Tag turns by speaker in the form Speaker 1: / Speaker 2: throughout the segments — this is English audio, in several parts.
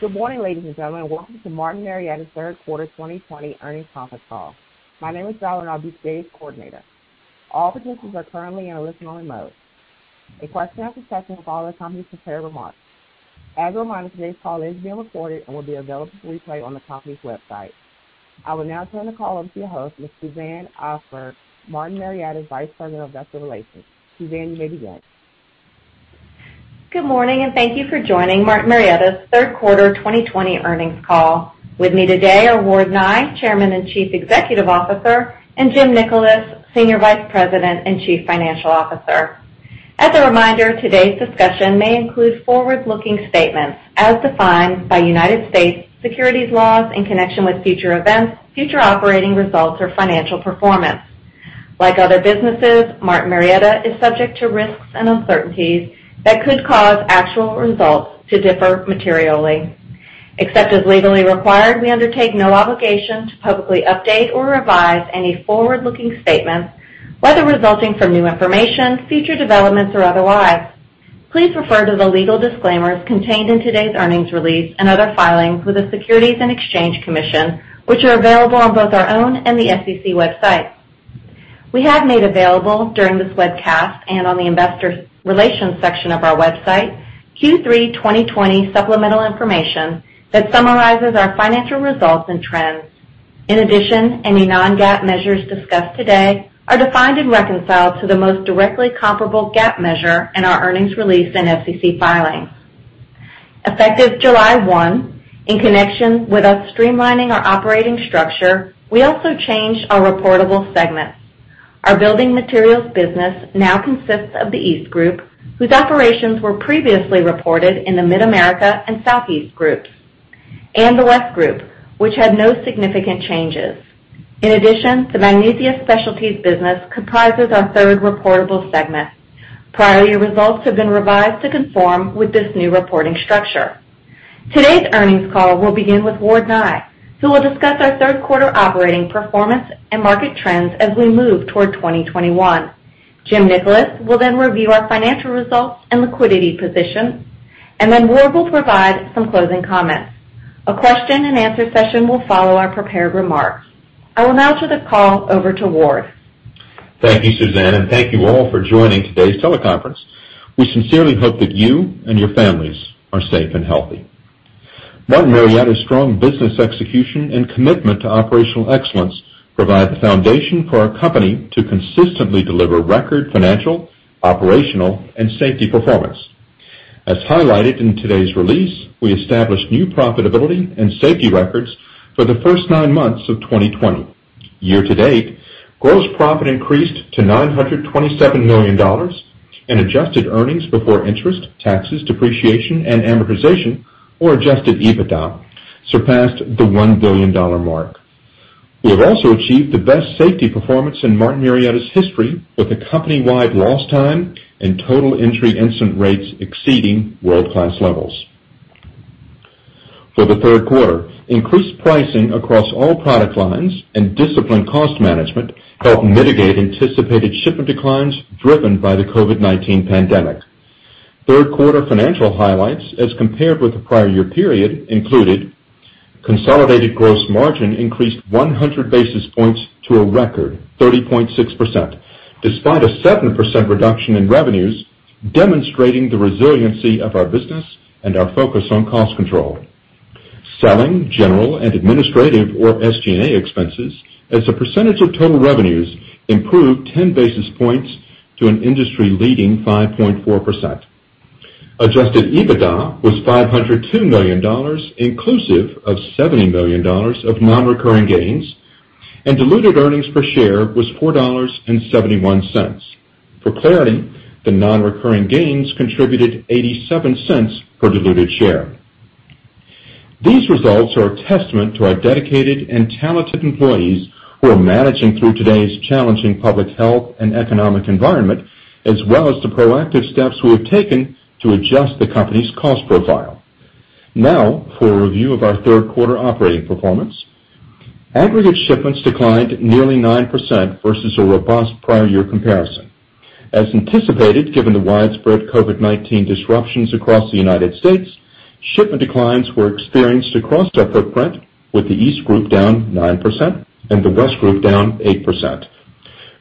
Speaker 1: Good morning, ladies and gentlemen. Welcome to Martin Marietta's third quarter 2020 earnings conference call. My name is Donna, and I'll be today's coordinator. All participants are currently in a listen-only mode. A question and answer session will follow the company's prepared remarks. As a reminder, today's call is being recorded and will be available for replay on the company's website. I will now turn the call over to your host, Ms. Suzanne Osberg, Martin Marietta's Vice President of Investor Relations. Suzanne, you may begin.
Speaker 2: Good morning, and thank you for joining Martin Marietta's Third Quarter 2020 earnings call. With me today are Ward Nye, Chairman and Chief Executive Officer, and Jim Nickolas, Senior Vice President and Chief Financial Officer. As a reminder, today's discussion may include forward-looking statements as defined by United States securities laws in connection with future events, future operating results, or financial performance. Like other businesses, Martin Marietta is subject to risks and uncertainties that could cause actual results to differ materially. Except as legally required, we undertake no obligation to publicly update or revise any forward-looking statements, whether resulting from new information, future developments, or otherwise. Please refer to the legal disclaimers contained in today's earnings release and other filings with the Securities and Exchange Commission, which are available on both our own and the SEC website. We have made available during this webcast and on the investor relations section of our website, Q3 2020 supplemental information that summarizes our financial results and trends. In addition, any non-GAAP measures discussed today are defined and reconciled to the most directly comparable GAAP measure in our earnings release and SEC filings. Effective July one, in connection with us streamlining our operating structure, we also changed our reportable segments. Our building materials business now consists of the East Group, whose operations were previously reported in the Mid-America and Southeast Groups, and the West Group, which had no significant changes. In addition, the Magnesia Specialties business comprises our third reportable segment. Prior year results have been revised to conform with this new reporting structure. Today's earnings call will begin with Ward Nye, who will discuss our third quarter operating performance and market trends as we move toward 2021. Jim Nickolas will then review our financial results and liquidity position, and then Ward will provide some closing comments. A question and answer session will follow our prepared remarks. I will now turn the call over to Ward.
Speaker 3: Thank you, Suzanne, and thank you all for joining today's teleconference. We sincerely hope that you and your families are safe and healthy. Martin Marietta's strong business execution and commitment to operational excellence provide the foundation for our company to consistently deliver record financial, operational, and safety performance. As highlighted in today's release, we established new profitability and safety records for the first nine months of 2020. Year to date, gross profit increased to $927 million in adjusted earnings before interest, taxes, depreciation, and amortization, or adjusted EBITDA, surpassed the $1 billion mark. We have also achieved the best safety performance in Martin Marietta's history with a company-wide lost time and total recordable incident rates exceeding world-class levels. For the third quarter, increased pricing across all product lines and disciplined cost management helped mitigate anticipated shipment declines driven by the COVID-19 pandemic. Third quarter financial highlights as compared with the prior year period included consolidated gross margin increased 100 basis points to a record 30.6%, despite a 7% reduction in revenues, demonstrating the resiliency of our business and our focus on cost control. Selling, general, and administrative or SG&A expenses as a percentage of total revenues improved 10 basis points to an industry-leading 5.4%. Adjusted EBITDA was $502 million, inclusive of $70 million of non-recurring gains, and diluted earnings per share was $4.71. For clarity, the non-recurring gains contributed $0.87 per diluted share. These results are a testament to our dedicated and talented employees who are managing through today's challenging public health and economic environment, as well as the proactive steps we have taken to adjust the company's cost profile. Now, for a review of our third quarter operating performance. Aggregate shipments declined nearly 9% versus a robust prior year comparison. As anticipated, given the widespread COVID-19 disruptions across the U.S., shipment declines were experienced across our footprint, with the East Group down 9% and the West Group down 8%.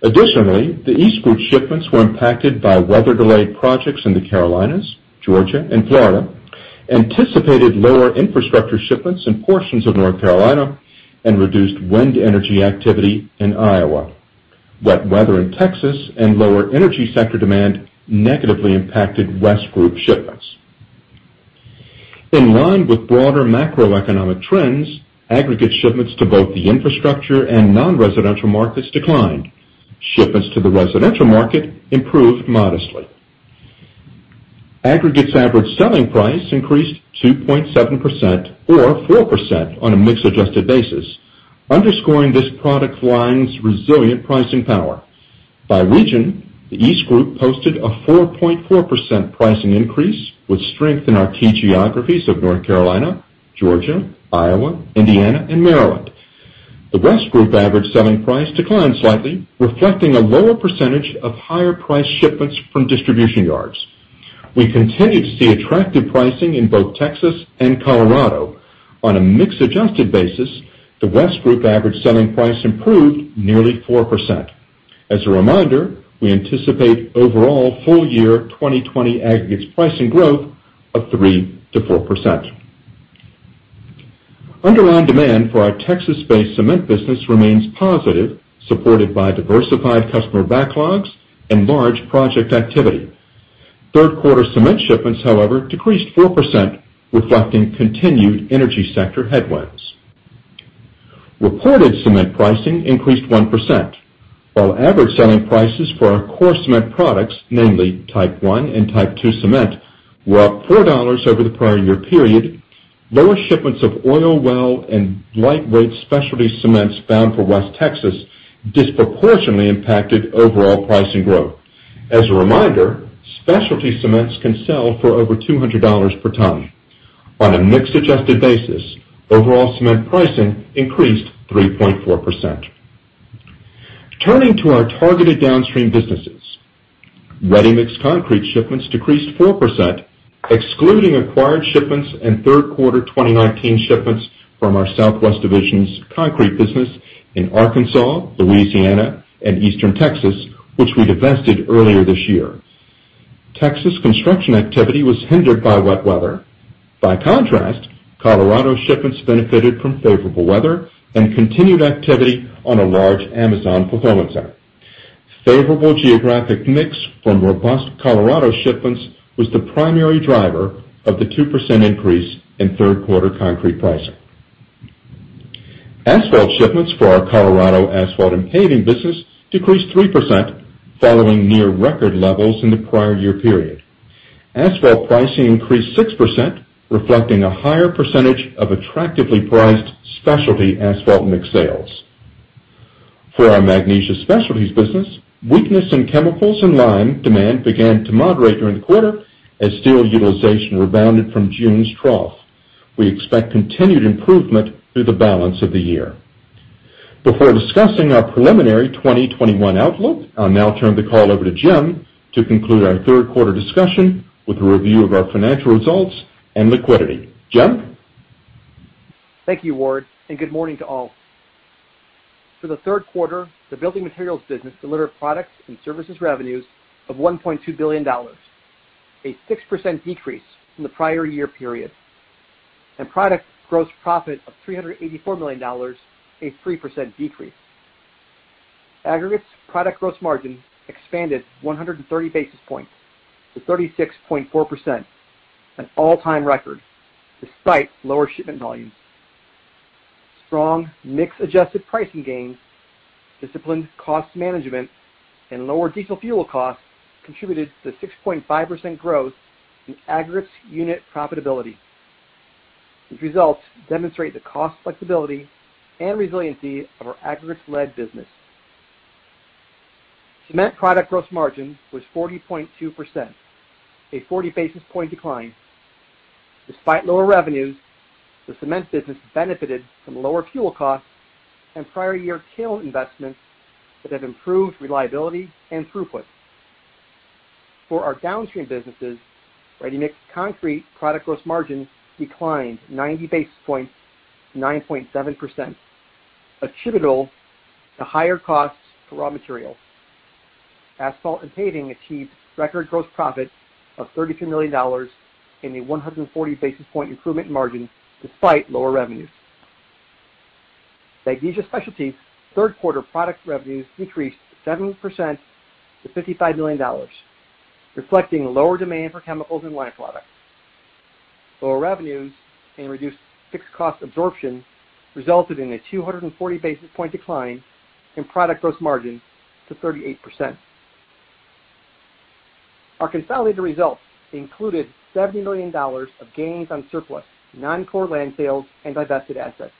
Speaker 3: Additionally, the East Group shipments were impacted by weather-delayed projects in the Carolinas, Georgia, and Florida, anticipated lower infrastructure shipments in portions of North Carolina, and reduced wind energy activity in Iowa. Wet weather in Texas and lower energy sector demand negatively impacted West Group shipments. In line with broader macroeconomic trends, aggregate shipments to both the infrastructure and non-residential markets declined. Shipments to the residential market improved modestly. Aggregates ASP increased 2.7%, or 4% on a mix-adjusted basis, underscoring this product line's resilient pricing power. By region, the East Group posted a 4.4% pricing increase with strength in our key geographies of North Carolina, Georgia, Iowa, Indiana, and Maryland. The West Group average selling price declined slightly, reflecting a lower percentage of higher price shipments from distribution yards. We continue to see attractive pricing in both Texas and Colorado. On a mix-adjusted basis, the West Group average selling price improved nearly 4%. As a reminder, we anticipate overall full year 2020 aggregates pricing growth of 3%-4%. Underlying demand for our Texas-based cement business remains positive, supported by diversified customer backlogs and large project activity. Third quarter cement shipments, however, decreased 4%, reflecting continued energy sector headwinds. Reported cement pricing increased 1%, while average selling prices for our core cement products, namely Type I and Type II cement, were up $4 over the prior year period. Lower shipments of oil well and lightweight specialty cements bound for West Texas disproportionately impacted overall pricing growth. As a reminder, specialty cements can sell for over $200 per ton. On a mix-adjusted basis, overall cement pricing increased 3.4%. Turning to our targeted downstream businesses. Ready-mix concrete shipments decreased 4%, excluding acquired shipments and third quarter 2019 shipments from our Southwest division's concrete business in Arkansas, Louisiana, and Eastern Texas, which we divested earlier this year. Texas construction activity was hindered by wet weather. By contrast, Colorado shipments benefited from favorable weather and continued activity on a large Amazon fulfillment center. Favorable geographic mix from robust Colorado shipments was the primary driver of the 2% increase in third quarter concrete pricing. Asphalt shipments for our Colorado asphalt and paving business decreased 3%, following near record levels in the prior year period. Asphalt pricing increased 6%, reflecting a higher percentage of attractively priced specialty asphalt mix sales. For our Magnesia Specialties business, weakness in chemicals and lime demand began to moderate during the quarter as steel utilization rebounded from June's trough. We expect continued improvement through the balance of the year. Before discussing our preliminary 2021 outlook, I'll now turn the call over to Jim to conclude our third quarter discussion with a review of our financial results and liquidity. Jim?
Speaker 4: Thank you, Ward, and good morning to all. For the third quarter, the building materials business delivered products and services revenues of $1.2 billion, a 6% decrease from the prior year period, and product gross profit of $384 million, a 3% decrease. Aggregates product gross margin expanded 130 basis points to 36.4%, an all-time record, despite lower shipment volumes. Strong mix adjusted pricing gains, disciplined cost management, and lower diesel fuel costs contributed to 6.5% growth in aggregates unit profitability. These results demonstrate the cost flexibility and resiliency of our aggregates-led business. Cement product gross margin was 40.2%, a 40 basis point decline. Despite lower revenues, the cement business benefited from lower fuel costs and prior year kiln investments that have improved reliability and throughput. For our downstream businesses, ready-mix concrete product gross margin declined 90 basis points to 9.7%, attributable to higher costs for raw materials. Asphalt and Paving achieved record gross profit of $32 million and a 140 basis point improvement in margin despite lower revenues. Magnesia Specialties third quarter product revenues decreased 7% to $55 million, reflecting lower demand for chemicals and lime products. Lower revenues and reduced fixed cost absorption resulted in a 240 basis point decline in product gross margin to 28%. Our consolidated results included $70 million of gains on surplus non-core land sales and divested assets.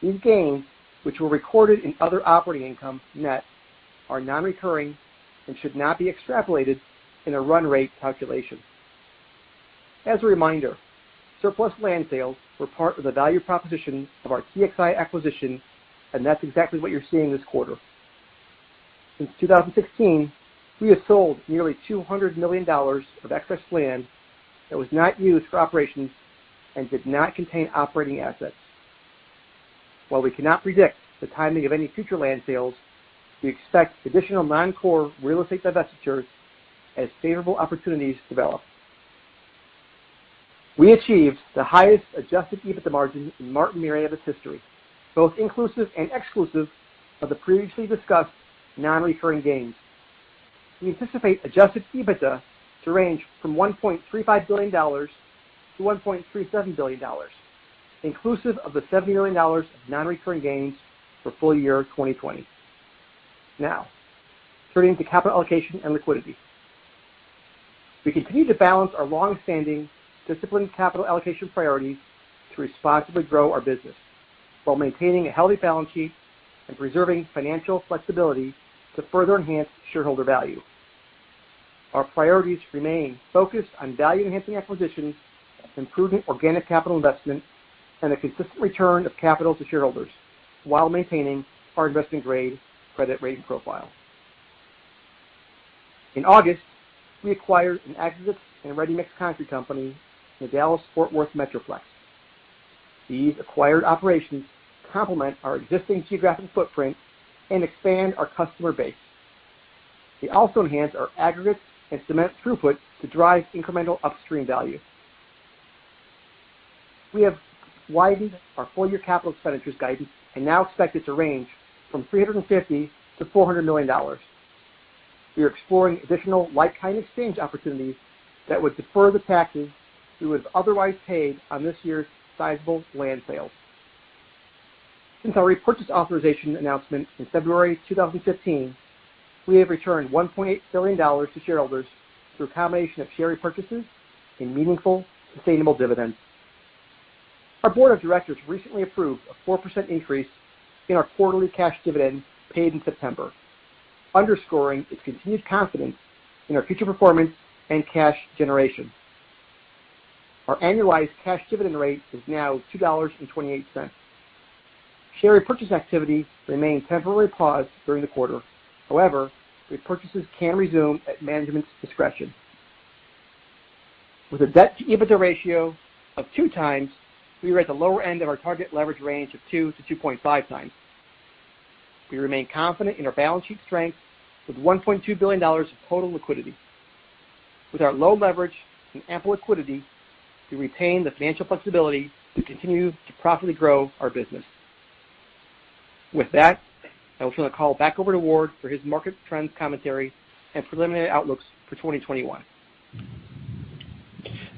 Speaker 4: These gains, which were recorded in other operating income net, are non-recurring and should not be extrapolated in a run rate calculation. As a reminder, surplus land sales were part of the value proposition of our TXI acquisition, and that's exactly what you're seeing this quarter. Since 2016, we have sold nearly $200 million of excess land that was not used for operations and did not contain operating assets. While we cannot predict the timing of any future land sales, we expect additional non-core real estate divestitures as favorable opportunities develop. We achieved the highest adjusted EBITDA margin in Martin Marietta's history, both inclusive and exclusive of the previously discussed non-recurring gains. We anticipate adjusted EBITDA to range from $1.35 billion to $1.37 billion, inclusive of the $70 million of non-recurring gains for full year 2020. Now, turning to capital allocation and liquidity. We continue to balance our long-standing disciplined capital allocation priorities to responsibly grow our business while maintaining a healthy balance sheet and preserving financial flexibility to further enhance shareholder value. Our priorities remain focused on value-enhancing acquisitions, improving organic capital investment, and a consistent return of capital to shareholders while maintaining our investment-grade credit rating profile. In August, we acquired an aggregates and ready-mix concrete company in the Dallas-Fort Worth Metroplex. These acquired operations complement our existing geographic footprint and expand our customer base. They also enhance our aggregate and cement throughput to drive incremental upstream value. We have widened our full-year capital expenditures guidance and now expect it to range from $350 million-$400 million. We are exploring additional like-kind exchange opportunities that would defer the taxes we would otherwise pay on this year's sizable land sales. Since our repurchase authorization announcement in February 2015, we have returned $1.8 billion to shareholders through a combination of share repurchases and meaningful, sustainable dividends. Our board of directors recently approved a 4% increase in our quarterly cash dividend paid in September, underscoring its continued confidence in our future performance and cash generation. Our annualized cash dividend rate is now $2.28. Share repurchase activity remained temporarily paused during the quarter. Repurchases can resume at management's discretion. With a debt-to-EBITDA ratio of 2 times, we are at the lower end of our target leverage range of 2-2.5 times. We remain confident in our balance sheet strength with $1.2 billion of total liquidity. With our low leverage and ample liquidity, we retain the financial flexibility to continue to profitably grow our business. With that, I will turn the call back over to Ward for his market trends commentary and preliminary outlooks for 2021.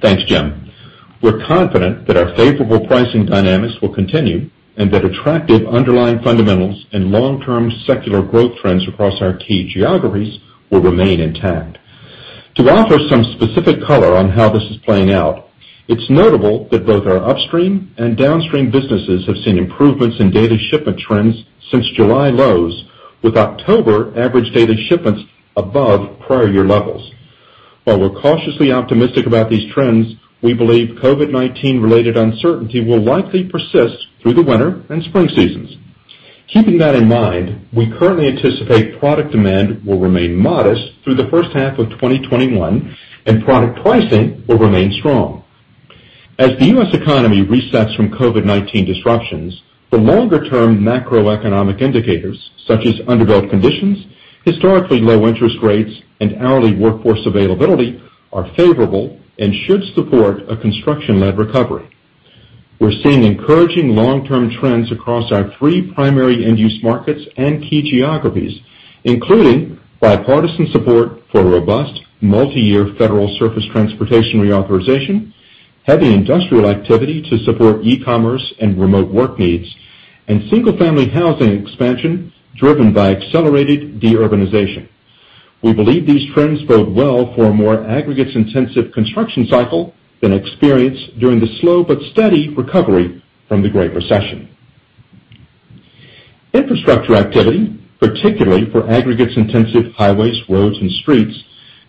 Speaker 3: Thanks, Jim. We're confident that our favorable pricing dynamics will continue and that attractive underlying fundamentals and long-term secular growth trends across our key geographies will remain intact. To offer some specific color on how this is playing out, it's notable that both our upstream and downstream businesses have seen improvements in data shipment trends since July lows, with October average data shipments above prior year levels. While we're cautiously optimistic about these trends, we believe COVID-19 related uncertainty will likely persist through the winter and spring seasons. Keeping that in mind, we currently anticipate product demand will remain modest through the first half of 2021, and product pricing will remain strong. As the U.S. economy resets from COVID-19 disruptions, the longer-term macroeconomic indicators, such as underbuilt conditions, historically low interest rates, and hourly workforce availability, are favorable and should support a construction-led recovery. We're seeing encouraging long-term trends across our three primary end-use markets and key geographies, including bipartisan support for robust multi-year federal surface transportation reauthorization, heavy industrial activity to support e-commerce and remote work needs, and single-family housing expansion driven by accelerated de-urbanization. We believe these trends bode well for a more aggregates-intensive construction cycle than experienced during the slow but steady recovery from the Great Recession. Infrastructure activity, particularly for aggregates-intensive highways, roads, and streets,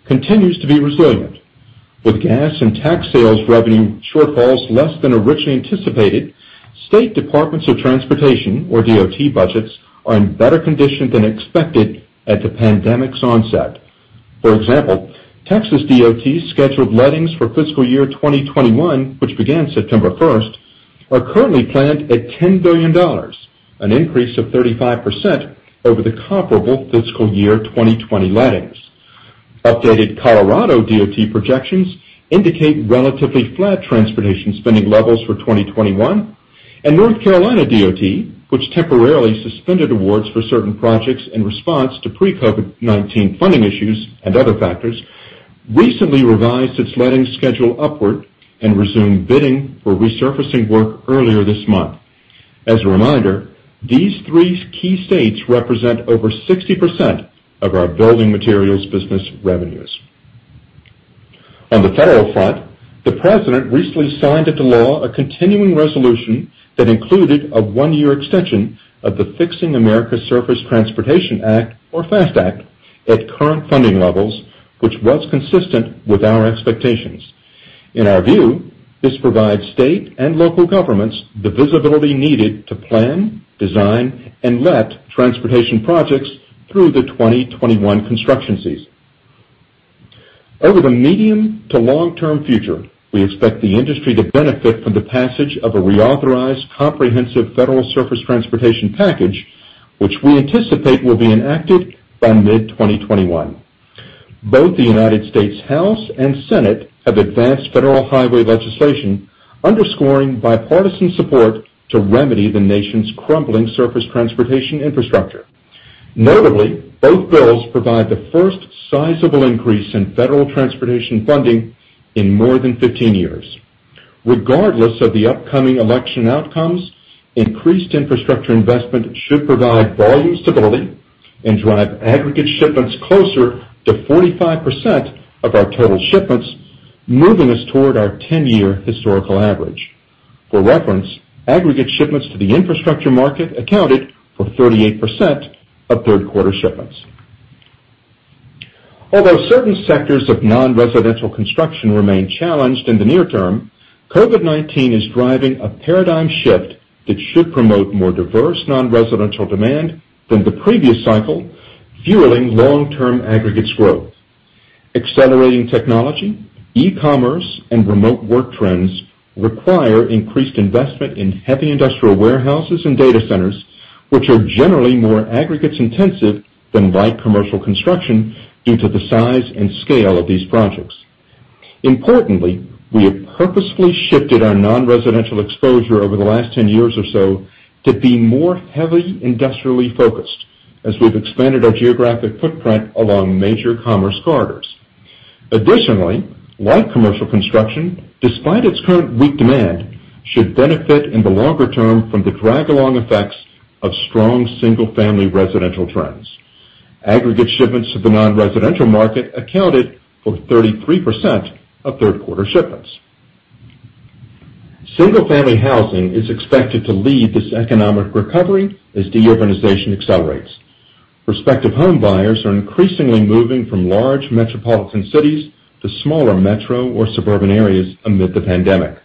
Speaker 3: continues to be resilient. With gas tax and sales revenue shortfalls less than originally anticipated, state departments of transportation or DOT budgets are in better condition than expected at the pandemic's onset. For example, Texas DOT scheduled lettings for fiscal year 2021, which began September first, are currently planned at $10 billion, an increase of 35% over the comparable fiscal year 2020 lettings. Updated Colorado DOT projections indicate relatively flat transportation spending levels for 2021, and North Carolina DOT, which temporarily suspended awards for certain projects in response to pre-COVID-19 funding issues and other factors, recently revised its letting schedule upward and resumed bidding for resurfacing work earlier this month. As a reminder, these three key states represent over 60% of our building materials business revenues. On the federal front, the President recently signed into law a continuing resolution that included a one-year extension of the Fixing America's Surface Transportation Act, or FAST Act, at current funding levels, which was consistent with our expectations. In our view, this provides state and local governments the visibility needed to plan, design, and let transportation projects through the 2021 construction season. Over the medium to long-term future, we expect the industry to benefit from the passage of a reauthorized comprehensive federal surface transportation package, which we anticipate will be enacted by mid-2021. Both the United States House and Senate have advanced federal highway legislation underscoring bipartisan support to remedy the nation's crumbling surface transportation infrastructure. Notably, both bills provide the first sizable increase in federal transportation funding in more than 15 years. Regardless of the upcoming election outcomes, increased infrastructure investment should provide volume stability and drive aggregate shipments closer to 45% of our total shipments, moving us toward our 10-year historical average. For reference, aggregate shipments to the infrastructure market accounted for 28% of third quarter shipments. Although certain sectors of non-residential construction remain challenged in the near term, COVID-19 is driving a paradigm shift that should promote more diverse non-residential demand than the previous cycle, fueling long-term aggregates growth. Accelerating technology, e-commerce, and remote work trends require increased investment in heavy industrial warehouses and data centers, which are generally more aggregates intensive than light commercial construction due to the size and scale of these projects. Importantly, we have purposefully shifted our non-residential exposure over the last 10 years or so to be more heavily industrially focused as we've expanded our geographic footprint along major commerce corridors. Additionally, light commercial construction, despite its current weak demand, should benefit in the longer term from the drag along effects of strong single-family residential trends. Aggregate shipments to the non-residential market accounted for 33% of third quarter shipments. Single-family housing is expected to lead this economic recovery as de-urbanization accelerates. Prospective home buyers are increasingly moving from large metropolitan cities to smaller metro or suburban areas amid the pandemic.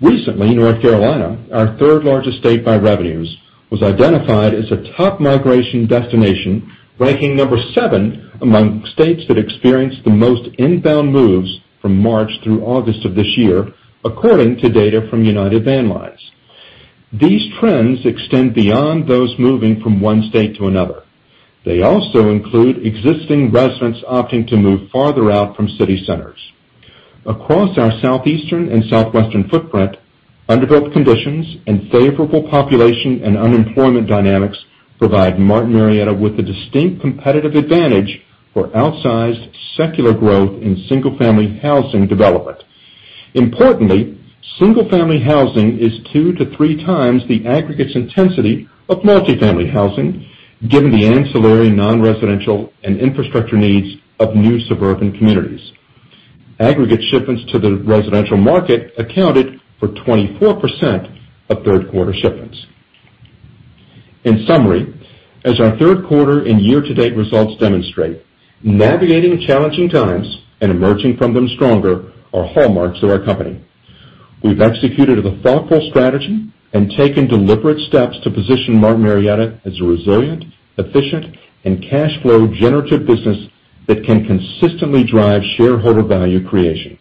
Speaker 3: Recently, North Carolina, our third largest state by revenues, was identified as a top migration destination, ranking number 7 among states that experienced the most inbound moves from March through August of this year, according to data from United Van Lines. These trends extend beyond those moving from one state to another. They also include existing residents opting to move farther out from city centers. Across our southeastern and southwestern footprint, underbuilt conditions and favorable population and unemployment dynamics provide Martin Marietta with a distinct competitive advantage for outsized secular growth in single-family housing development. Importantly, single-family housing is two to three times the aggregates intensity of multi-family housing, given the ancillary, non-residential, and infrastructure needs of new suburban communities. Aggregate shipments to the residential market accounted for 24% of third quarter shipments. In summary, as our third quarter and year to date results demonstrate, navigating challenging times and emerging from them stronger are hallmarks of our company. We've executed with a thoughtful strategy and taken deliberate steps to position Martin Marietta as a resilient, efficient, and cash flow generative business that can consistently drive shareholder value creation.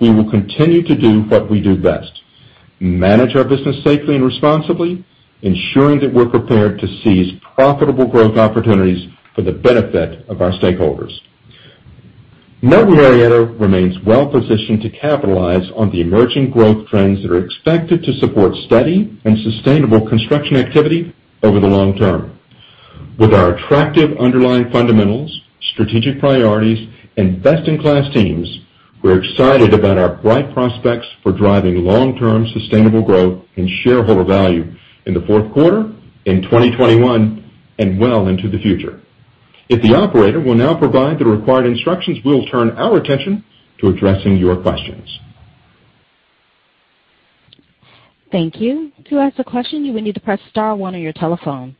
Speaker 3: We will continue to do what we do best: manage our business safely and responsibly, ensuring that we're prepared to seize profitable growth opportunities for the benefit of our stakeholders. Martin Marietta remains well-positioned to capitalize on the emerging growth trends that are expected to support steady and sustainable construction activity over the long term. With our attractive underlying fundamentals, strategic priorities, and best in class teams, we're excited about our bright prospects for driving long-term sustainable growth and shareholder value in the fourth quarter, in 2021, and well into the future. If the operator will now provide the required instructions, we'll turn our attention to addressing your questions.
Speaker 1: Thank you. To ask a question, you will need to press star one on your telephone.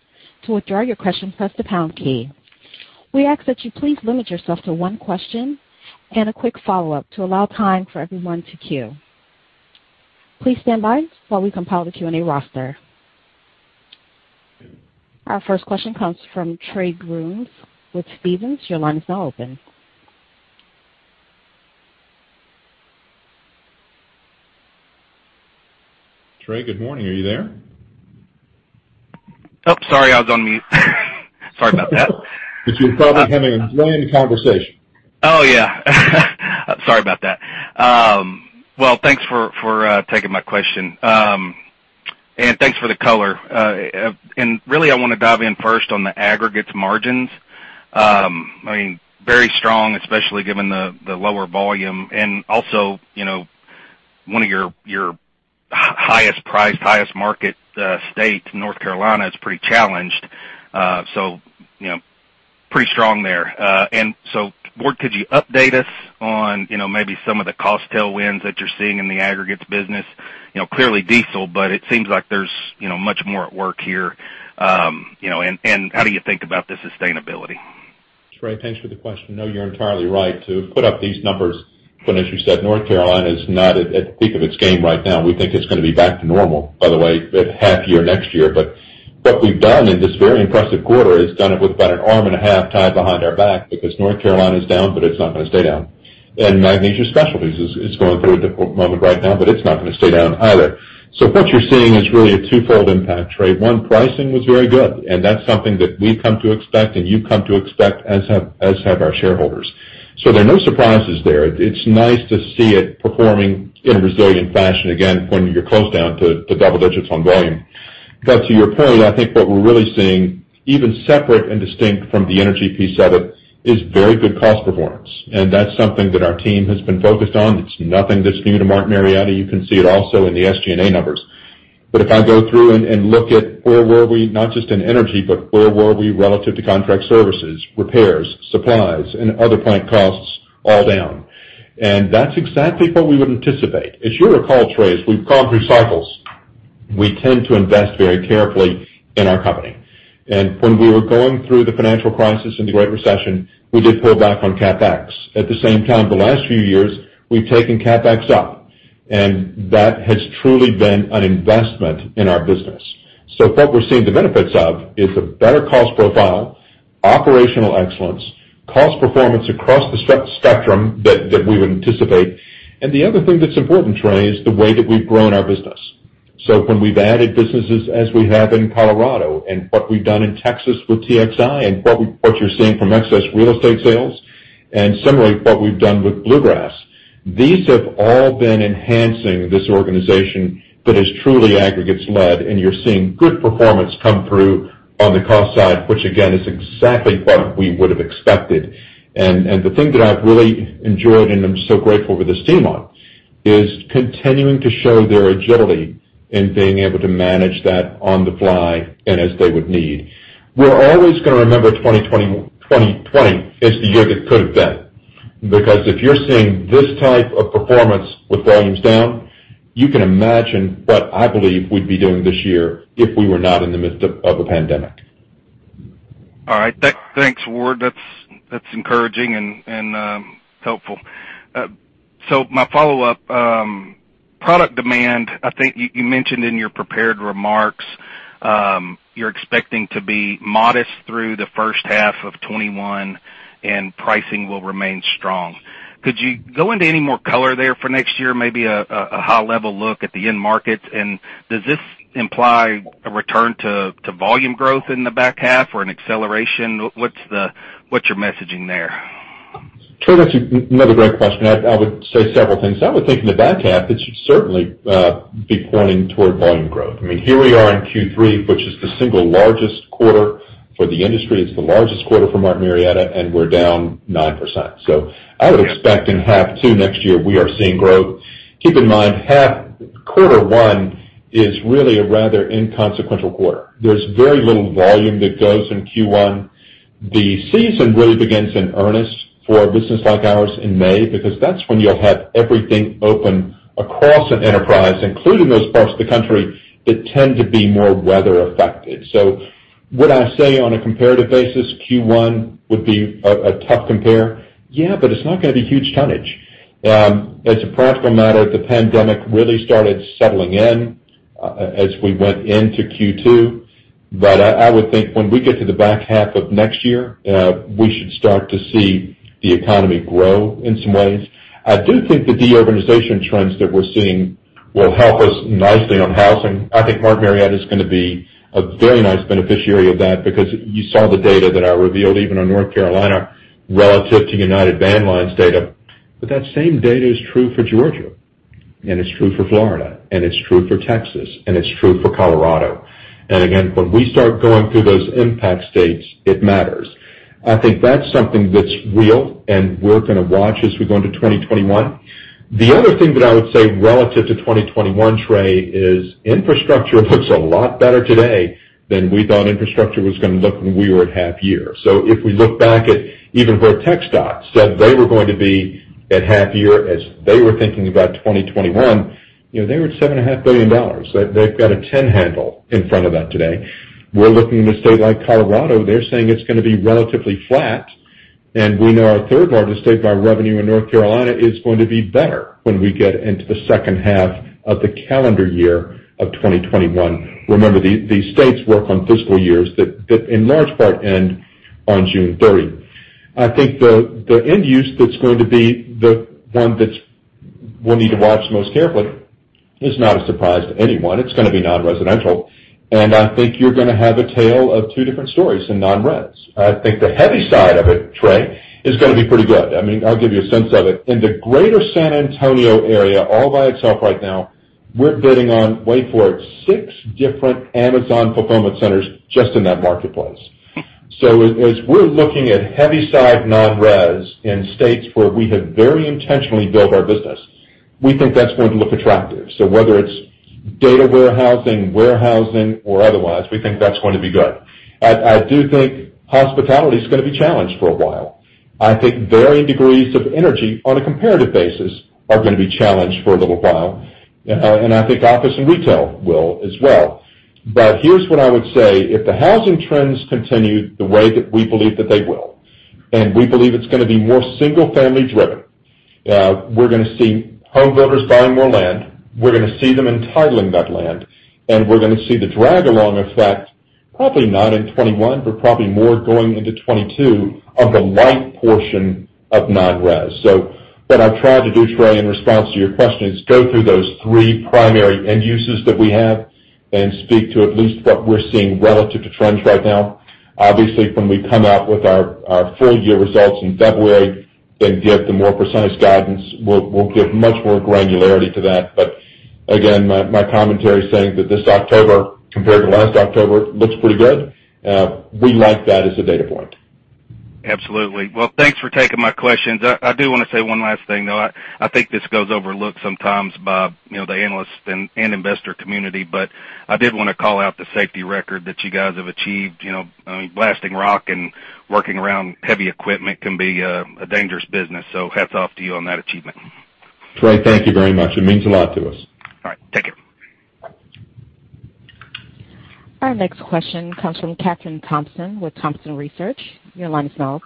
Speaker 1: To withdraw your question, press the pound key. We ask that you please limit yourself to one question and a quick follow-up to allow time for everyone to queue. Please stand by while we compile the Q&A roster. Our first question comes from Trey Grooms with Stephens. Your line is now open.
Speaker 3: Trey, good morning. Are you there?
Speaker 5: Oh, sorry. I was on mute. Sorry about that.
Speaker 3: You're probably having a grand conversation.
Speaker 5: Oh, yeah. Sorry about that. Well, thanks for taking my question, and thanks for the color. Really, I want to dive in first on the aggregates margins. Very strong, especially given the lower volume. Also one of your highest priced, highest market state, North Carolina, is pretty challenged. Pretty strong there. What could you update us on maybe some of the cost tailwinds that you're seeing in the aggregates business? Clearly diesel, but it seems like there's much more at work here. How do you think about the sustainability?
Speaker 3: Trey, thanks for the question. No, you're entirely right. To put up these numbers when, as you said, North Carolina is not at the peak of its game right now. We think it's going to be back to normal, by the way, half year next year. What we've done in this very impressive quarter is done it with about an arm and a half tied behind our back because North Carolina is down, but it's not going to stay down. Magnesia Specialties is going through a difficult moment right now, but it's not going to stay down either. What you're seeing is really a twofold impact, Trey. One, pricing was very good, and that's something that we've come to expect and you've come to expect, as have our shareholders. There are no surprises there. It's nice to see it performing in a resilient fashion again when you're closed down to double digits on volume. To your point, I think what we're really seeing, even separate and distinct from the energy piece of it, is very good cost performance. That's something that our team has been focused on. It's nothing that's new to Martin Marietta. You can see it also in the SG&A numbers. If I go through and look at where were we, not just in energy, but where were we relative to contract services, repairs, supplies, and other plant costs, all down. That's exactly what we would anticipate. As you recall, Trey, as we've gone through cycles, we tend to invest very carefully in our company. When we were going through the financial crisis and the Great Recession, we did pull back on CapEx. At the same time, the last few years, we've taken CapEx up, and that has truly been an investment in our business. What we're seeing the benefits of is a better cost profile, operational excellence, cost performance across the spectrum that we would anticipate. The other thing that's important, Trey, is the way that we've grown our business. When we've added businesses, as we have in Colorado, and what we've done in Texas with TXI, and what you're seeing from excess real estate sales, and similarly, what we've done with Bluegrass. These have all been enhancing this organization that is truly aggregates-led, and you're seeing good performance come through on the cost side, which again, is exactly what we would have expected. The thing that I've really enjoyed, and I'm so grateful for this team on, is continuing to show their agility in being able to manage that on the fly and as they would need. We're always going to remember 2020 as the year that could've been. If you're seeing this type of performance with volumes down, you can imagine what I believe we'd be doing this year if we were not in the midst of a pandemic.
Speaker 5: All right. Thanks, Ward. That's encouraging and helpful. My follow-up, product demand, I think you mentioned in your prepared remarks, you're expecting to be modest through the first half of 2021, and pricing will remain strong. Could you go into any more color there for next year? Maybe a high-level look at the end markets. Does this imply a return to volume growth in the back half or an acceleration? What's your messaging there?
Speaker 3: Trey, that's another great question. I would say several things. I would think in the back half, it should certainly be pointing toward volume growth. Here we are in Q3, which is the single largest quarter for the industry. It's the largest quarter for Martin Marietta, and we're down 9%. I would expect in half two next year, we are seeing growth. Keep in mind, quarter one is really a rather inconsequential quarter. There's very little volume that goes in Q1. The season really begins in earnest for a business like ours in May because that's when you'll have everything open across an enterprise, including those parts of the country that tend to be more weather affected. Would I say on a comparative basis, Q1 would be a tough compare? Yeah, but it's not going to be huge tonnage. As a practical matter, the pandemic really started settling in as we went into Q2. I would think when we get to the back half of next year, we should start to see the economy grow in some ways. I do think that the urbanization trends that we're seeing will help us nicely on housing. I think Martin Marietta is going to be a very nice beneficiary of that because you saw the data that I revealed even on North Carolina relative to United Van Lines data. That same data is true for Georgia, and it's true for Florida, and it's true for Texas, and it's true for Colorado. Again, when we start going through those impact states, it matters. I think that's something that's real, and we're going to watch as we go into 2021. The other thing that I would say relative to 2021, Trey, is infrastructure looks a lot better today than we thought infrastructure was going to look when we were at half year. If we look back at even where TxDOT said they were going to be at half year as they were thinking about 2021, they were at $7.5 billion. They've got a 10 handle in front of that today. We're looking in a state like Colorado, they're saying it's going to be relatively flat, and we know our third largest state by revenue in North Carolina is going to be better when we get into the second half of the calendar year of 2021. Remember, these states work on fiscal years that in large part end on June 30. I think the end use that's going to be the one that we'll need to watch most carefully is not a surprise to anyone. It's going to be non-residential. I think you're going to have a tale of two different stories in non-res. I think the heavy side of it, Trey, is going to be pretty good. I'll give you a sense of it. In the greater San Antonio area, all by itself right now, we're bidding on, wait for it, six different Amazon fulfillment centers just in that marketplace. As we're looking at heavy side non-res in states where we have very intentionally built our business, we think that's going to look attractive. Whether it's data warehousing, or otherwise, we think that's going to be good. I do think hospitality is going to be challenged for a while. I think varying degrees of energy on a comparative basis are going to be challenged for a little while, and I think office and retail will as well. Here's what I would say. If the housing trends continue the way that we believe that they will, and we believe it's going to be more single-family driven, we're going to see home builders buying more land, we're going to see them entitling that land, and we're going to see the drag along effect, probably not in 2021, but probably more going into 2022 of the light portion of non-res. What I've tried to do, Trey, in response to your question, is go through those three primary end uses that we have and speak to at least what we're seeing relative to trends right now. Obviously, when we come out with our full year results in February and give the more percentage guidance, we'll give much more granularity to that. Again, my commentary is saying that this October compared to last October looks pretty good. We like that as a data point.
Speaker 5: Absolutely. Thanks for taking my questions. I do want to say one last thing, though. I think this goes overlooked sometimes by the analysts and investor community, but I did want to call out the safety record that you guys have achieved. Blasting rock and working around heavy equipment can be a dangerous business, so hats off to you on that achievement.
Speaker 3: Trey, thank you very much. It means a lot to us.
Speaker 5: All right, take care.
Speaker 1: Our next question comes from Kathryn Thompson with Thompson Research.
Speaker 6: Hi.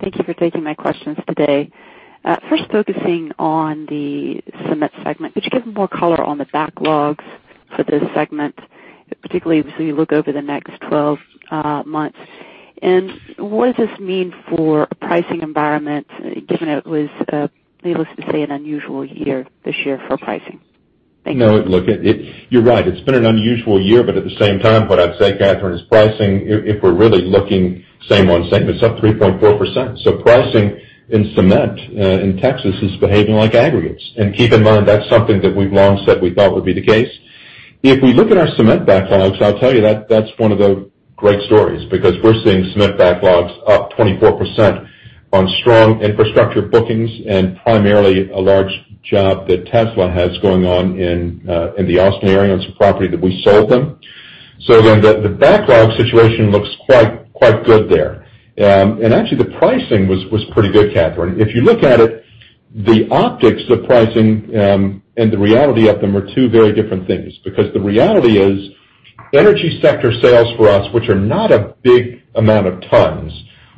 Speaker 6: Thank you for taking my questions today. First focusing on the cement segment. Could you give more color on the backlogs for this segment, particularly as we look over the next 12 months? What does this mean for a pricing environment, given it was, needless to say, an unusual year this year for pricing? Thank you.
Speaker 3: No, look, you're right. It's been an unusual year, but at the same time, what I'd say, Kathryn, is pricing, if we're really looking same on same, it's up 3.4%. Pricing in cement in Texas is behaving like aggregates. Keep in mind, that's something that we've long said we thought would be the case. If we look at our cement backlogs, I'll tell you that's one of the great stories, because we're seeing cement backlogs up 24% on strong infrastructure bookings and primarily a large job that Tesla has going on in the Austin area. It's a property that we sold them. The backlog situation looks quite good there. Actually, the pricing was pretty good, Kathryn. If you look at it, the optics of pricing and the reality of them are two very different things. The reality is, energy sector sales for us, which are not a big amount of tons,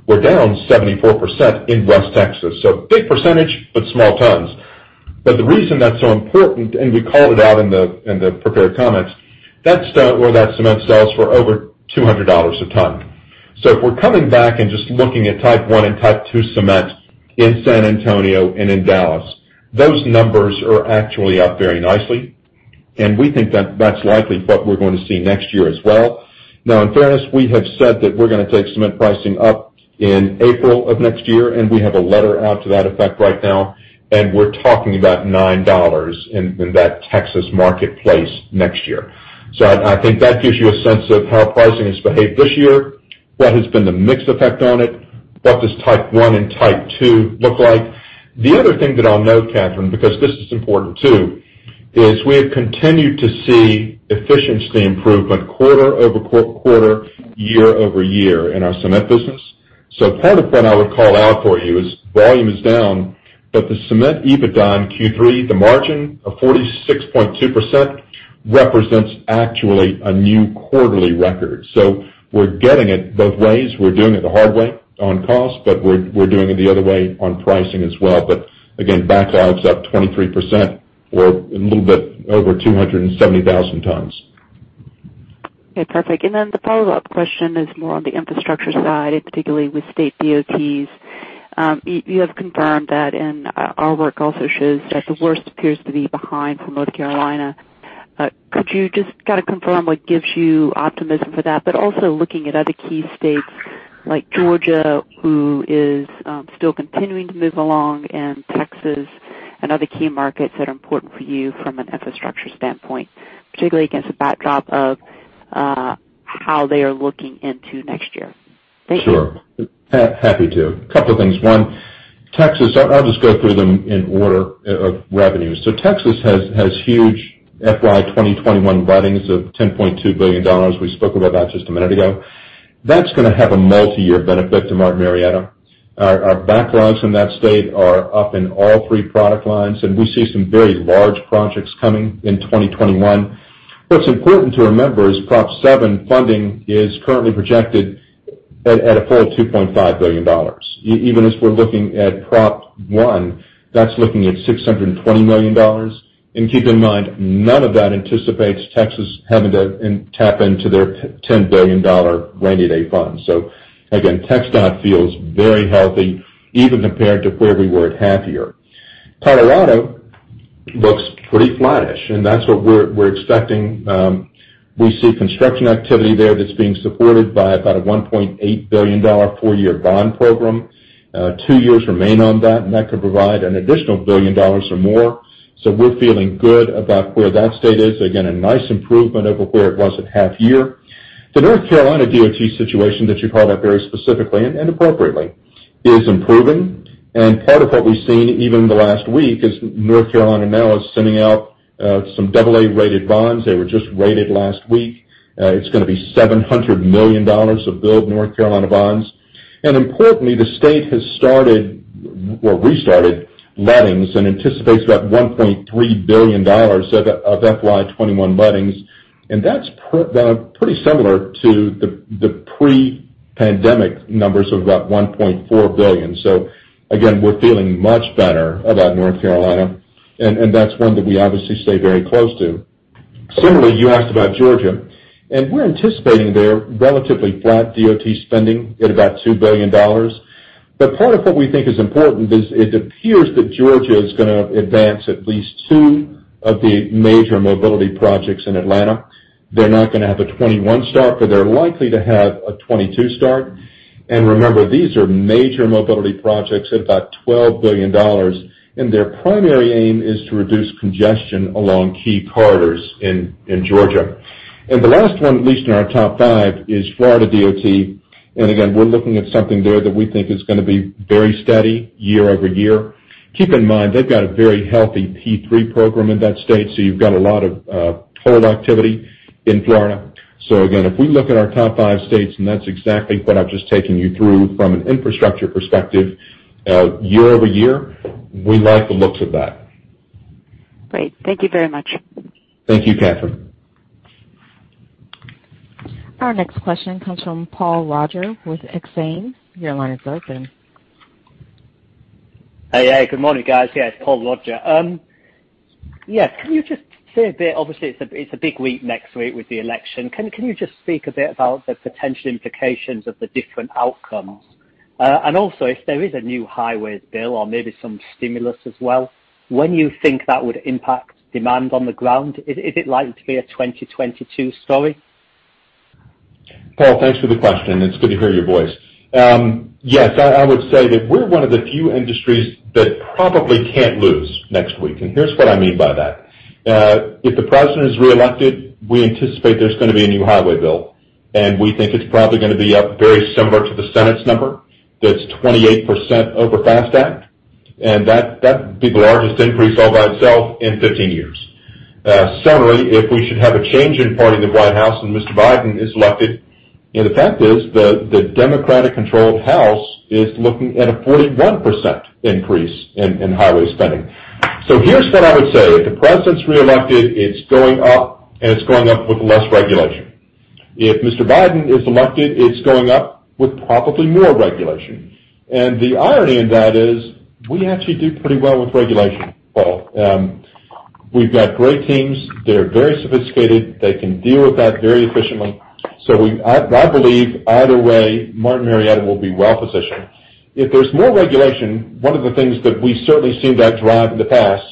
Speaker 3: were down 74% in West Texas. A big percentage, but small tons. The reason that's so important, and we called it out in the prepared comments, that's where that cement sells for over $200 a ton. If we're coming back and just looking at Type I and Type II cement in San Antonio and in Dallas, those numbers are actually up very nicely, and we think that that's likely what we're going to see next year as well. Now, in fairness, we have said that we're going to take cement pricing up in April of next year, and we have a letter out to that effect right now, and we're talking about $9 in that Texas marketplace next year. I think that gives you a sense of how pricing has behaved this year, what has been the mixed effect on it, what does Type I and Type II look like? The other thing that I'll note, Kathryn, because this is important, too, is we have continued to see efficiency improvement quarter-over-quarter, year-over-year in our cement business. Part of what I would call out for you is volume is down, but the cement EBITDA in Q3, the margin of 46.2%, represents actually a new quarterly record. We're getting it both ways. We're doing it the hard way on cost, but we're doing it the other way on pricing as well. Again, backlog's up 24% or a little bit over 270,000 tons.
Speaker 6: Okay, perfect. The follow-up question is more on the infrastructure side, and particularly with state DOTs. You have confirmed that, and our work also shows that the worst appears to be behind for North Carolina. Could you just kind of confirm what gives you optimism for that? Also looking at other key states like Georgia, who is still continuing to move along, and Texas and other key markets that are important for you from an infrastructure standpoint, particularly against the backdrop of how they are looking into next year. Thank you.
Speaker 3: Sure. Happy to. A couple of things. One, Texas, I'll just go through them in order of revenue. Texas has huge FY 2021 lettings of $10.2 billion. We spoke about that just a minute ago. That's going to have a multi-year benefit to Martin Marietta. Our backlogs in that state are up in all three product lines, and we see some very large projects coming in 2021. What's important to remember is Prop 7 funding is currently projected at a full $2.5 billion. Even as we're looking at Prop 1, that's looking at $620 million. Keep in mind, none of that anticipates Texas having to tap into their $10 billion rainy day fund. Again, TxDOT feels very healthy, even compared to where we were at half year. Colorado looks pretty flattish, and that's what we're expecting. We see construction activity there that's being supported by about a $1.8 billion four-year bond program. Two years remain on that. That could provide an additional $1 billion or more. We're feeling good about where that state is. Again, a nice improvement over where it was at half-year. The North Carolina DOT situation that you called out very specifically and appropriately is improving, and part of what we've seen even in the last week is North Carolina now is sending out some AA-rated bonds. They were just rated last week. It's going to be $700 million of Build NC Bonds. Importantly, the state has started or restarted lettings and anticipates about $1.3 billion of FY 2021 lettings. That's pretty similar to the pre-pandemic numbers of about $1.4 billion. Again, we're feeling much better about North Carolina, and that's one that we obviously stay very close to. Similarly, you asked about Georgia, and we're anticipating there relatively flat DOT spending at about $2 billion. Part of what we think is important is it appears that Georgia is going to advance at least two of the major mobility projects in Atlanta. They're not going to have a 2021 start, but they're likely to have a 2022 start. Remember, these are major mobility projects at about $12 billion, and their primary aim is to reduce congestion along key corridors in Georgia. The last one, at least in our top five, is Florida DOT. Again, we're looking at something there that we think is going to be very steady year-over-year. Keep in mind, they've got a very healthy P3 program in that state, so you've got a lot of toll activity in Florida. Again, if we look at our top five states, and that's exactly what I've just taken you through from an infrastructure perspective, year-over-year, we like the looks of that.
Speaker 6: Great. Thank you very much.
Speaker 3: Thank you, Kathryn.
Speaker 1: Our next question comes from Paul Roger with Exane. Your line is open.
Speaker 7: Hey. Good morning, guys. Yeah, it's Paul Roger. Can you just say a bit, obviously, it's a big week next week with the election? Can you just speak a bit about the potential implications of the different outcomes? Also, if there is a new highways bill or maybe some stimulus as well, when you think that would impact demand on the ground? Is it likely to be a 2022 story?
Speaker 3: Paul, thanks for the question. It's good to hear your voice. Yes, I would say that we're one of the few industries that probably can't lose next week, and here's what I mean by that. If the President is reelected, we anticipate there's going to be a new highway bill, and we think it's probably going to be up very similar to the Senate's number. That's 28% over FAST Act, and that'd be the largest increase all by itself in 15 years. Similarly, if we should have a change in party in the White House and Mr. Biden is elected, the fact is, the Democratic-controlled House is looking at a 41% increase in highway spending. Here's what I would say. If the President's reelected, it's going up, and it's going up with less regulation. If Mr. Biden is elected, it's going up with probably more regulation. The irony in that is, we actually do pretty well with regulation, Paul. We've got great teams. They're very sophisticated. They can deal with that very efficiently. I believe either way, Martin Marietta will be well-positioned. If there's more regulation, one of the things that we've certainly seen that drive in the past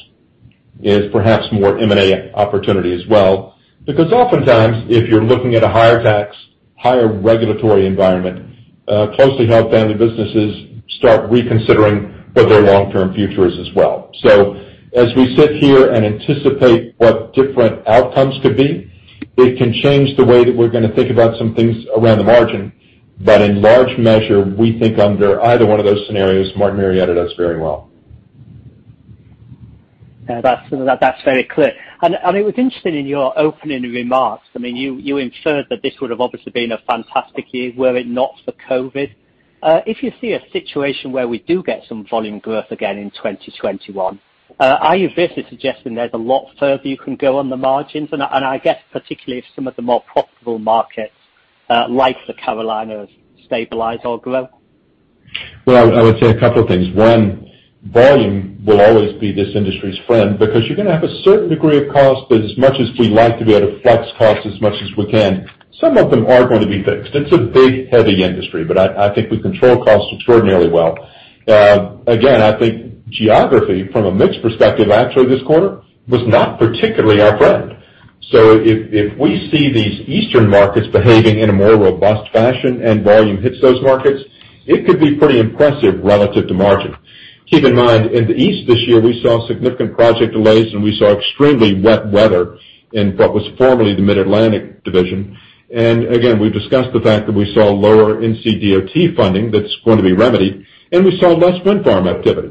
Speaker 3: is perhaps more M&A opportunity as well. Because oftentimes, if you're looking at a higher tax, higher regulatory environment, closely held family businesses start reconsidering what their long-term future is as well. As we sit here and anticipate what different outcomes could be, it can change the way that we're going to think about some things around the margin. In large measure, we think under either one of those scenarios, Martin Marietta does very well.
Speaker 7: That's very clear. It was interesting in your opening remarks, you inferred that this would have obviously been a fantastic year were it not for COVID. If you see a situation where we do get some volume growth again in 2021, are you basically suggesting there's a lot further you can go on the margins? I guess particularly if some of the more profitable markets, like the Carolinas, stabilize or grow?
Speaker 3: Well, I would say a couple of things. One, volume will always be this industry's friend because you're going to have a certain degree of cost. As much as we like to be able to flex costs as much as we can, some of them are going to be fixed. It's a big, heavy industry. I think we control costs extraordinarily well. Again, I think geography from a mix perspective, actually this quarter, was not particularly our friend. If we see these Eastern markets behaving in a more robust fashion and volume hits those markets, it could be pretty impressive relative to margin. Keep in mind, in the East this year, we saw significant project delays and we saw extremely wet weather in what was formerly the Mid-Atlantic division. Again, we've discussed the fact that we saw lower NCDOT funding that's going to be remedied, and we saw less wind farm activity.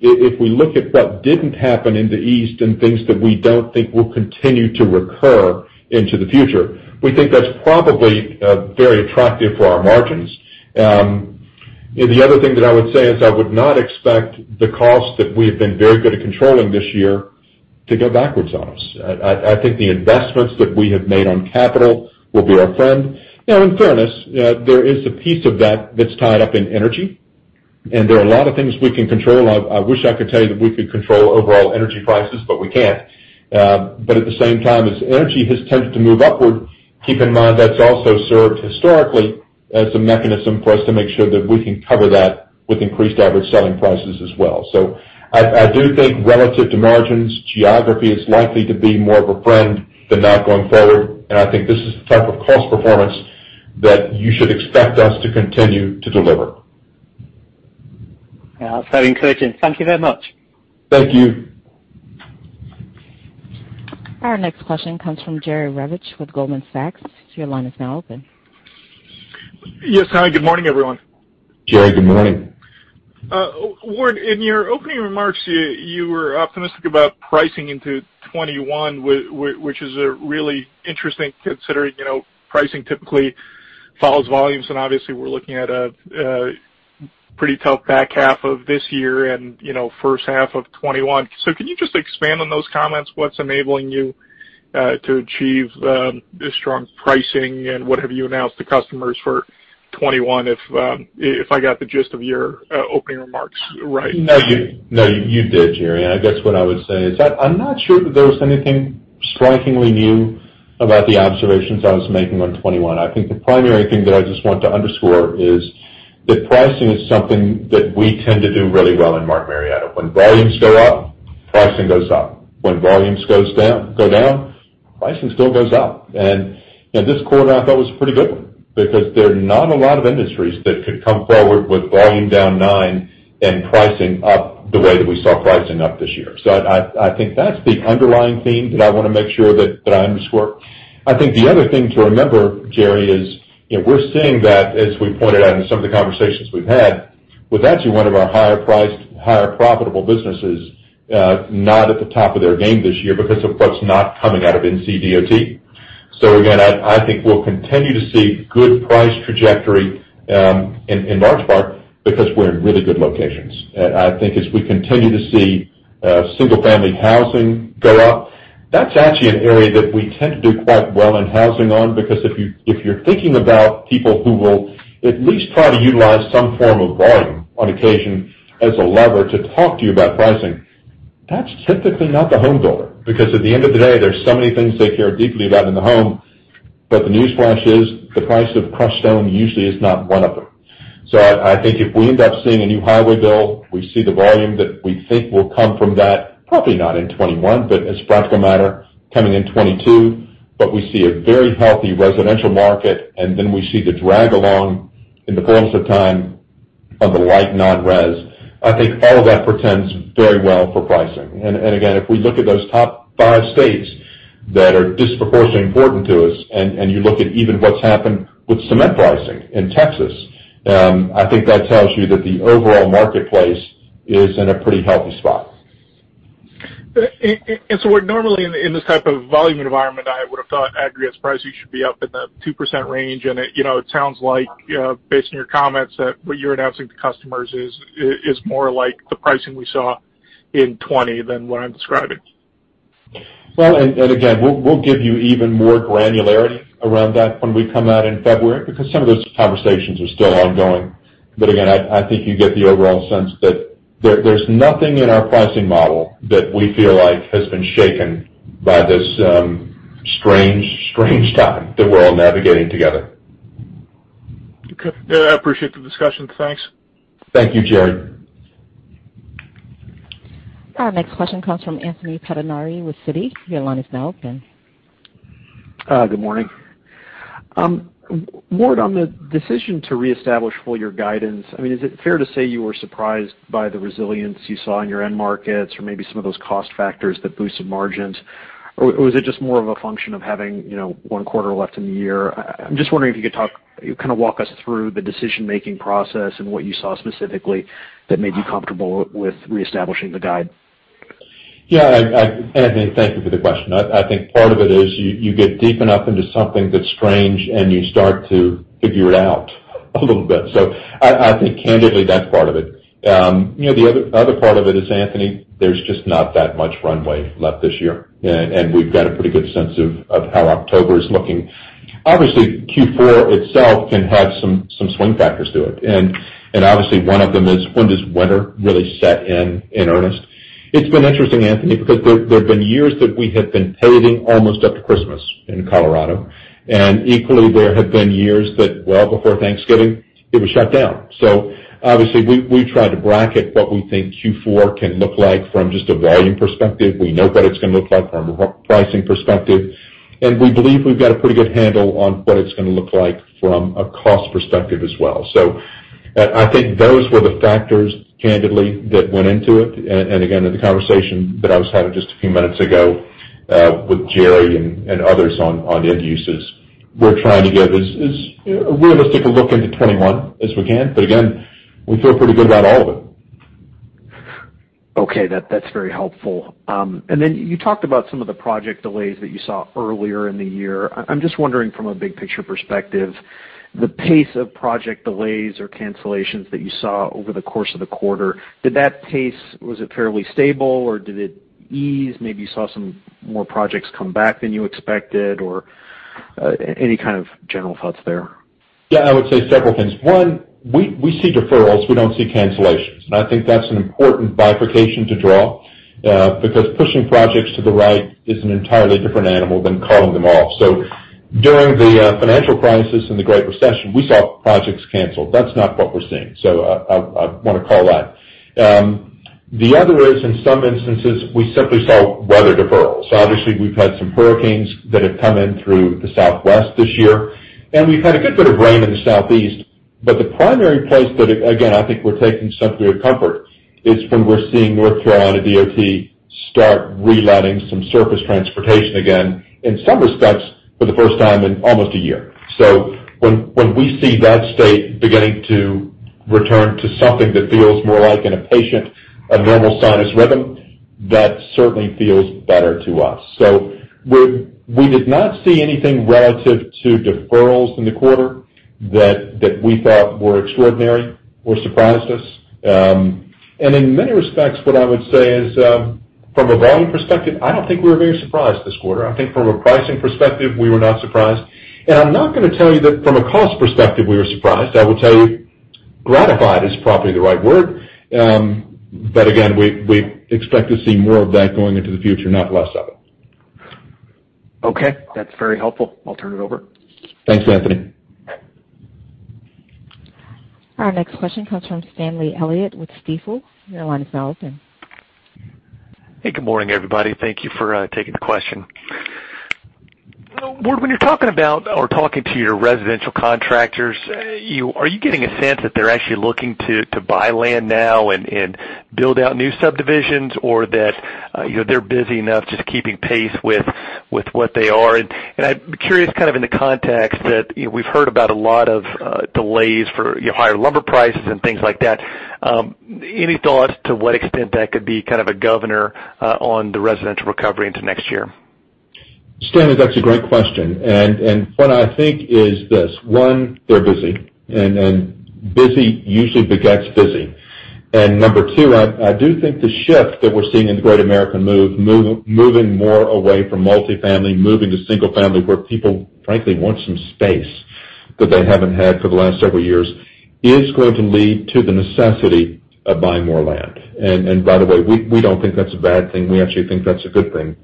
Speaker 3: If we look at what didn't happen in the East and things that we don't think will continue to recur into the future, we think that's probably very attractive for our margins. The other thing that I would say is I would not expect the costs that we have been very good at controlling this year to go backwards on us. I think the investments that we have made on capital will be our friend. In fairness, there is a piece of that that's tied up in energy, and there are a lot of things we can control. I wish I could tell you that we could control overall energy prices, but we can't. At the same time, as energy has tended to move upward, keep in mind that's also served historically as a mechanism for us to make sure that we can cover that with increased average selling prices as well. I do think relative to margins, geography is likely to be more of a friend than not going forward, and I think this is the type of cost performance that you should expect us to continue to deliver.
Speaker 7: Yeah. That's very encouraging. Thank you very much.
Speaker 3: Thank you.
Speaker 1: Our next question comes from Jerry Revich with Goldman Sachs.
Speaker 8: Yes, hi, good morning, everyone.
Speaker 3: Jerry, good morning.
Speaker 8: Ward, in your opening remarks, you were optimistic about pricing into 2021, which is really interesting considering pricing typically follows volumes, and obviously we're looking at a pretty tough back half of this year and first half of 2021. Can you just expand on those comments? What's enabling you to achieve this strong pricing, and what have you announced to customers for 2021, if I got the gist of your opening remarks right?
Speaker 3: No, you did, Jerry. I guess what I would say is that I'm not sure that there was anything strikingly new about the observations I was making on 2021. I think the primary thing that I just want to underscore is that pricing is something that we tend to do really well in Martin Marietta. When volumes go up, pricing goes up. When volumes go down, pricing still goes up. This quarter I thought was a pretty good one because there are not a lot of industries that could come forward with volume down nine and pricing up the way that we saw pricing up this year. I think that's the underlying theme that I want to make sure that I underscore. I think the other thing to remember, Jerry, is we're seeing that, as we pointed out in some of the conversations we've had. With that, one of our higher priced, higher profitable businesses, not at the top of their game this year because of what's not coming out of NCDOT. Again, I think we'll continue to see good price trajectory in large part because we're in really good locations. I think as we continue to see single-family housing go up, that's actually an area that we tend to do quite well in housing on, because if you're thinking about people who will at least try to utilize some form of volume on occasion as a lever to talk to you about pricing, that's typically not the home builder, because at the end of the day, there's so many things they care deeply about in the home. The newsflash is the price of crushed stone usually is not one of them. I think if we end up seeing a new highway bill, we see the volume that we think will come from that, probably not in 2021, but as a practical matter, coming in 2022. We see a very healthy residential market, and then we see the drag along in the fullness of time of the light non-res. I think all of that portends very well for pricing. Again, if we look at those top five states that are disproportionately important to us, and you look at even what's happened with cement pricing in Texas, I think that tells you that the overall marketplace is in a pretty healthy spot.
Speaker 8: Normally in this type of volume environment, I would have thought aggregate pricing should be up in the 2% range. It sounds like, based on your comments, that what you're announcing to customers is more like the pricing we saw in 2020 than what I'm describing.
Speaker 3: Again, we'll give you even more granularity around that when we come out in February, because some of those conversations are still ongoing. Again, I think you get the overall sense that there's nothing in our pricing model that we feel like has been shaken by this strange time that we're all navigating together.
Speaker 8: Okay. I appreciate the discussion. Thanks.
Speaker 3: Thank you, Jerry.
Speaker 1: Our next question comes from Anthony Pettinari with Citi. Your line is now open.
Speaker 9: Good morning. Ward, on the decision to reestablish full year guidance, is it fair to say you were surprised by the resilience you saw in your end markets or maybe some of those cost factors that boosted margins? Was it just more of a function of having one quarter left in the year? I'm just wondering if you could kind of walk us through the decision-making process and what you saw specifically that made you comfortable with reestablishing the guide.
Speaker 3: Yeah, Anthony, thank you for the question. I think part of it is you get deep enough into something that's strange, and you start to figure it out a little bit. I think candidly, that's part of it. The other part of it is, Anthony, there's just not that much runway left this year, and we've got a pretty good sense of how October is looking. Obviously, Q4 itself can have some swing factors to it. Obviously one of them is when does winter really set in earnest? It's been interesting, Anthony, because there have been years that we have been paving almost up to Christmas in Colorado, and equally, there have been years that well before Thanksgiving, it was shut down. Obviously we've tried to bracket what we think Q4 can look like from just a volume perspective. We know what it's going to look like from a pricing perspective, and we believe we've got a pretty good handle on what it's going to look like from a cost perspective as well. I think those were the factors, candidly, that went into it. Again, the conversation that I was having just a few minutes ago with Jerry and others on end uses. We're trying to give as realistic a look into 2021 as we can. Again, we feel pretty good about all of it.
Speaker 9: Okay. That is very helpful. Then you talked about some of the project delays that you saw earlier in the year. I am just wondering from a big picture perspective, the pace of project delays or cancellations that you saw over the course of the quarter, did that pace, was it fairly stable, or did it ease? Maybe you saw some more projects come back than you expected, or any kind of general thoughts there?
Speaker 3: Yeah, I would say several things. One, we see deferrals, we don't see cancellations. I think that's an important bifurcation to draw because pushing projects to the right is an entirely different animal than calling them off. During the financial crisis and the Great Recession, we saw projects canceled. That's not what we're seeing. I want to call that. The other is, in some instances, we simply saw weather deferrals. Obviously, we've had some hurricanes that have come in through the Southwest this year, and we've had a good bit of rain in the Southeast. The primary place that, again, I think we're taking some degree of comfort is when we're seeing North Carolina DOT start reletting some surface transportation again, in some respects, for the first time in almost a year. When we see that state beginning to return to something that feels more like in a patient, a normal sinus rhythm, that certainly feels better to us. We did not see anything relative to deferrals in the quarter that we thought were extraordinary or surprised us. In many respects, what I would say is from a volume perspective, I don't think we were very surprised this quarter. I think from a pricing perspective, we were not surprised. I'm not going to tell you that from a cost perspective, we were surprised. I will tell you gratified is probably the right word. Again, we expect to see more of that going into the future, not less of it.
Speaker 9: Okay. That's very helpful. I'll turn it over.
Speaker 3: Thanks, Anthony.
Speaker 1: Our next question comes from Stanley Elliott with Stifel. Your line is now open.
Speaker 10: Hey, good morning, everybody. Thank you for taking the question. Ward, when you're talking about or talking to your residential contractors, are you getting a sense that they're actually looking to buy land now and build out new subdivisions or that they're busy enough just keeping pace with what they are. I'm curious in the context that we've heard about a lot of delays for higher lumber prices and things like that. Any thoughts to what extent that could be a governor on the residential recovery into next year?
Speaker 3: Stanley, that's a great question. What I think is this, one, they're busy, and busy usually begets busy. Number two, I do think the shift that we're seeing in the Great American move, moving more away from multi-family, moving to single family where people frankly want some space that they haven't had for the last several years, is going to lead to the necessity of buying more land. By the way, we don't think that's a bad thing. We actually think that's a good thing.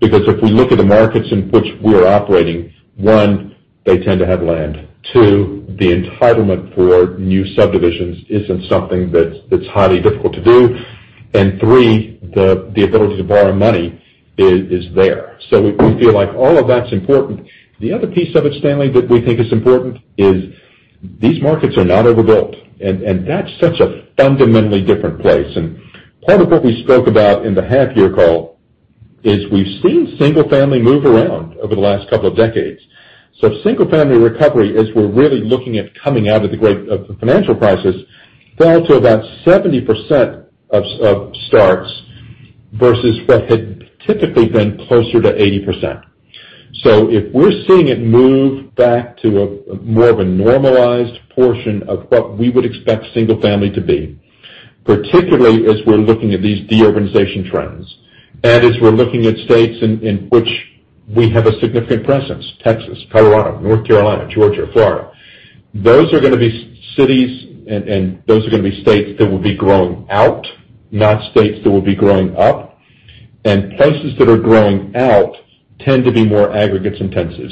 Speaker 3: Because if we look at the markets in which we are operating, one, they tend to have land. Two, the entitlement for new subdivisions isn't something that's highly difficult to do. Three, the ability to borrow money is there. We feel like all of that's important. The other piece of it, Stanley, that we think is important is these markets are not overbuilt, and that's such a fundamentally different place. Part of what we spoke about in the half year call is we've seen single family move around over the last couple of decades. Single family recovery, as we're really looking at coming out of the financial crisis, fell to about 70% of starts versus what had typically been closer to 80%. If we're seeing it move back to more of a normalized portion of what we would expect single family to be, particularly as we're looking at these de-urbanization trends, and as we're looking at states in which we have a significant presence, Texas, Colorado, North Carolina, Georgia, Florida. Those are going to be cities and those are going to be states that will be growing out, not states that will be growing up. Places that are growing out tend to be more aggregates intensive.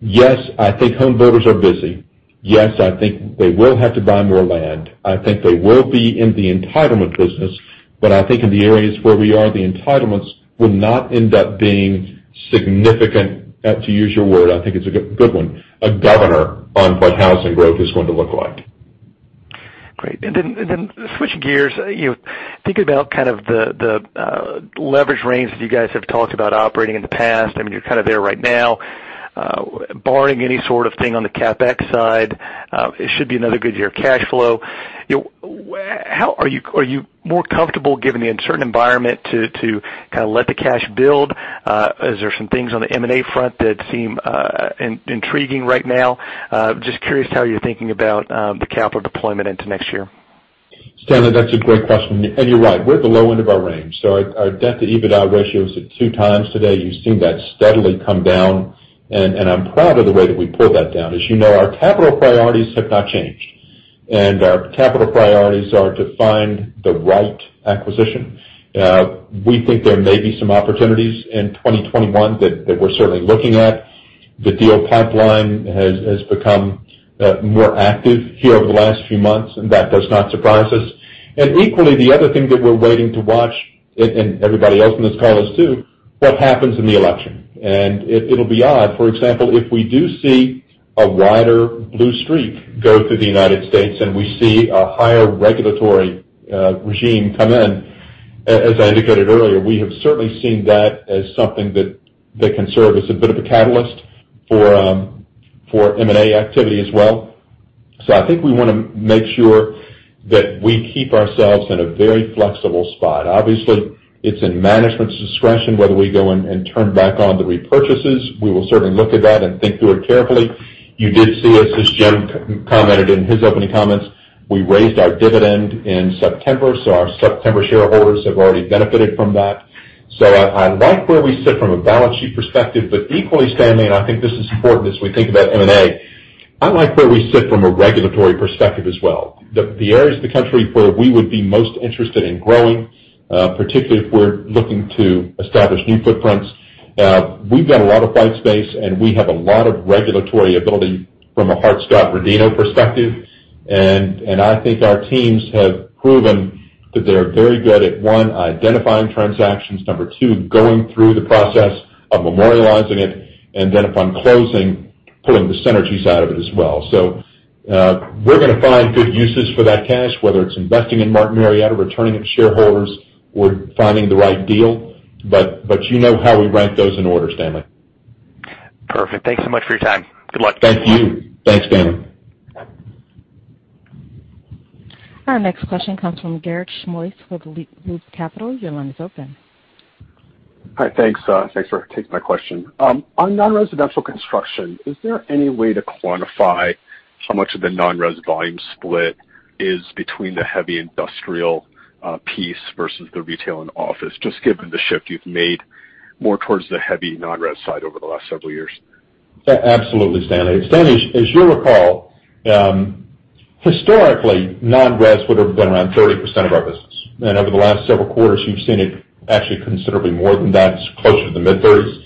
Speaker 3: Yes, I think home builders are busy. Yes, I think they will have to buy more land. I think they will be in the entitlement business. I think in the areas where we are, the entitlements will not end up being significant, to use your word, I think it's a good one, a governor on what housing growth is going to look like.
Speaker 10: Great. Switching gears, thinking about the leverage range that you guys have talked about operating in the past. I mean, you're kind of there right now. Barring any sort of thing on the CapEx side, it should be another good year of cash flow. Are you more comfortable given the uncertain environment to let the cash build? Is there some things on the M&A front that seem intriguing right now? Just curious how you're thinking about the capital deployment into next year.
Speaker 3: Stanley, that's a great question. You're right. We're at the low end of our range. Our debt to EBITDA ratio is at 2 times today. You've seen that steadily come down, and I'm proud of the way that we pulled that down. As you know, our capital priorities have not changed. Our capital priorities are to find the right acquisition. We think there may be some opportunities in 2021 that we're certainly looking at. The deal pipeline has become more active here over the last few months, and that does not surprise us. Equally, the other thing that we're waiting to watch, and everybody else in this call is too, what happens in the election? It'll be odd. For example, if we do see a wider blue streak go through the United States and we see a higher regulatory regime come in, as I indicated earlier, we have certainly seen that as something that can serve as a bit of a catalyst for M&A activity as well. I think we want to make sure that we keep ourselves in a very flexible spot. Obviously, it's in management's discretion whether we go and turn back on the repurchases. We will certainly look at that and think through it carefully. You did see us, as Jim commented in his opening comments, we raised our dividend in September, so our September shareholders have already benefited from that. I like where we sit from a balance sheet perspective, but equally, Stanley, and I think this is important as we think about M&A, I like where we sit from a regulatory perspective as well. The areas of the country where we would be most interested in growing, particularly if we're looking to establish new footprints, we've got a lot of white space and we have a lot of regulatory ability from a Hart-Scott-Rodino perspective. I think our teams have proven that they are very good at, one, identifying transactions, number two, going through the process of memorializing it, and then upon closing, pulling the synergies out of it as well. We're going to find good uses for that cash, whether it's investing in Martin Marietta, returning it to shareholders, or finding the right deal. You know how we rank those in order, Stanley.
Speaker 10: Perfect. Thanks so much for your time. Good luck.
Speaker 3: Thank you. Thanks, Stanley.
Speaker 1: Our next question comes from Garik Shmois with Loop Capital. Your line is open.
Speaker 10: Hi, thanks for taking my question. On non-residential construction, is there any way to quantify how much of the non-res volume split is between the heavy industrial piece versus the retail and office, just given the shift you've made more towards the heavy non-res side over the last several years?
Speaker 3: Absolutely, Stanley. Stanley, as you'll recall, historically, non-res would have been around 30% of our business. Over the last several quarters, you've seen it actually considerably more than that. It's closer to the mid-30s.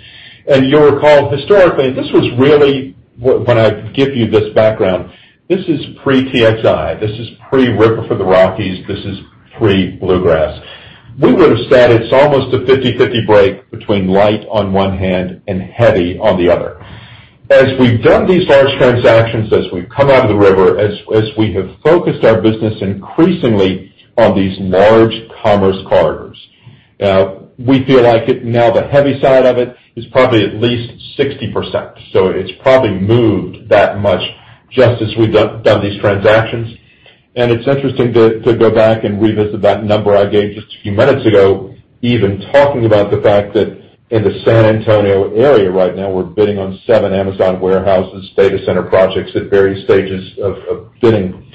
Speaker 3: You'll recall historically, this was really, when I give you this background, this is pre-TXI. This is pre-River for the Rockies. This is pre-Bluegrass. We would've said it's almost a 50/50 break between light on one hand and heavy on the other. As we've done these large transactions, as we've come out of the River, as we have focused our business increasingly on these large commerce corridors. We feel like now the heavy side of it is probably at least 60%. It's probably moved that much just as we've done these transactions. It's interesting to go back and revisit that number I gave just a few minutes ago, even talking about the fact that in the San Antonio area right now, we're bidding on seven Amazon warehouses, data center projects at various stages of bidding.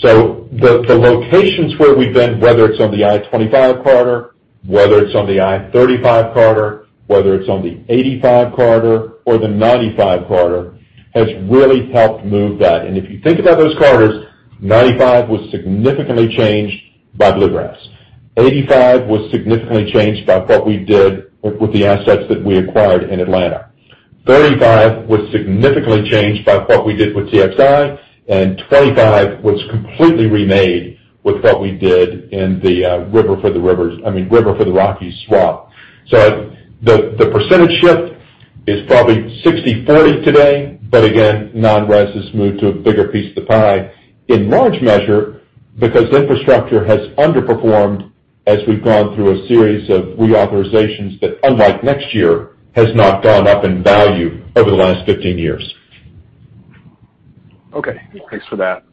Speaker 3: The locations where we've been, whether it's on the I-25 corridor, whether it's on the I-35 corridor, whether it's on the 85 corridor or the 95 corridor, has really helped move that. If you think about those corridors, 95 was significantly changed by Bluegrass. 85 was significantly changed by what we did with the assets that we acquired in Atlanta. 35 was significantly changed by what we did with TXI, and 25 was completely remade with what we did in the River for the Rockies swap. The percentage shift is probably 60/40 today. Again, non-res has moved to a bigger piece of the pie, in large measure because infrastructure has underperformed as we've gone through a series of reauthorizations that, unlike next year, has not gone up in value over the last 15 years.
Speaker 11: Okay. Thanks for that.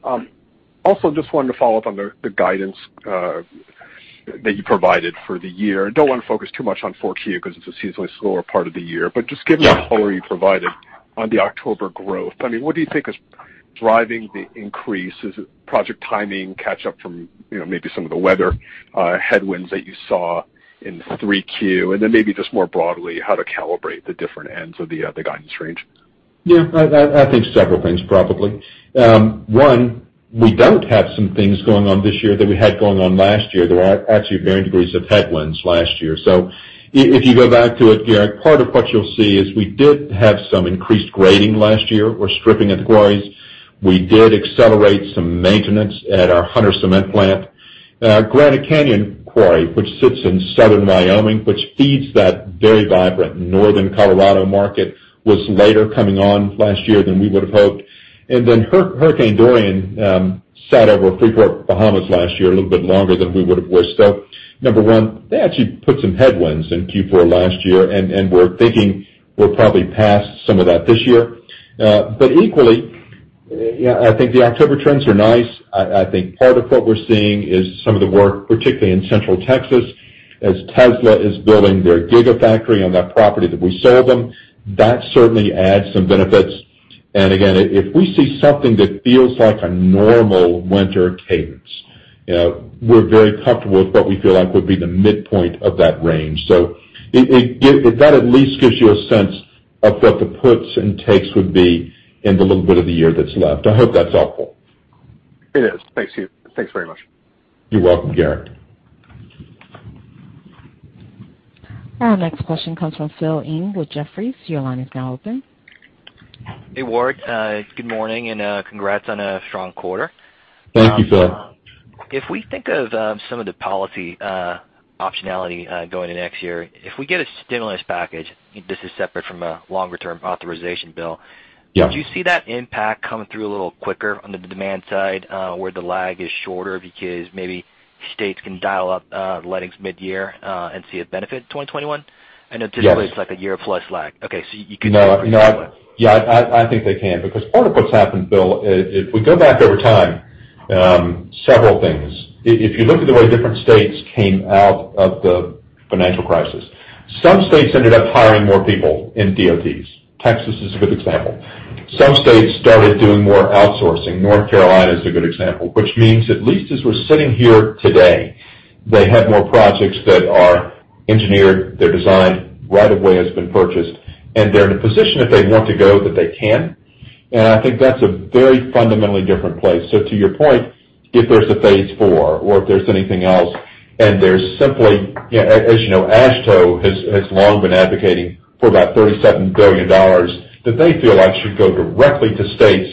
Speaker 11: Just wanted to follow up on the guidance that you provided for the year. I don't want to focus too much on 4Q because it's a seasonally slower part of the year, but just given the color you provided on the October growth, what do you think is driving the increase? Is it project timing catch up from maybe some of the weather headwinds that you saw in 3Q? Maybe just more broadly, how to calibrate the different ends of the guidance range?
Speaker 3: Yeah. I think several things, probably. One, we don't have some things going on this year that we had going on last year. There were actually varying degrees of headwinds last year. If you go back to it, Garik, part of what you'll see is we did have some increased grading last year. We're stripping at the quarries. We did accelerate some maintenance at our Hunter cement plant. Granite Canyon Quarry, which sits in southern Wyoming, which feeds that very vibrant northern Colorado market, was later coming on last year than we would've hoped. Then Hurricane Dorian sat over Freeport, Bahamas last year a little bit longer than we would've wished. Number one, that actually put some headwinds in Q4 last year, and we're thinking we're probably past some of that this year. Equally, I think the October trends are nice. I think part of what we're seeing is some of the work, particularly in Central Texas, as Tesla is building their Gigafactory on that property that we sold them. That certainly adds some benefits. Again, if we see something that feels like a normal winter cadence, we're very comfortable with what we feel like would be the midpoint of that range. If that at least gives you a sense of what the puts and takes would be in the little bit of the year that's left. I hope that's helpful.
Speaker 11: It is. Thanks to you. Thanks very much.
Speaker 3: You're welcome, Garik.
Speaker 1: Our next question comes from Phil Ng with Jefferies.
Speaker 12: Hey, Ward. Good morning, and congrats on a strong quarter.
Speaker 3: Thank you, Phil.
Speaker 12: If we think of some of the policy optionality going into next year, if we get a stimulus package, this is separate from a longer-term authorization bill.
Speaker 3: Yeah.
Speaker 12: Do you see that impact coming through a little quicker on the demand side where the lag is shorter because maybe states can dial up lettings mid-year and see a benefit in 2021?
Speaker 3: Yes
Speaker 12: it's like a year plus lag. Okay.
Speaker 3: No. I think they can, because part of what's happened, Phil, if we go back over time, several things. If you look at the way different states came out of the financial crisis, some states ended up hiring more people in DOTs. Texas is a good example. Some states started doing more outsourcing. North Carolina is a good example, which means at least as we're sitting here today, they have more projects that are engineered, they're designed, right of way has been purchased, and they're in a position if they want to go that they can. I think that's a very fundamentally different place. To your point, if there's a phase four or if there's anything else, there's simply, as you know, AASHTO has long been advocating for about $37 billion that they feel like should go directly to states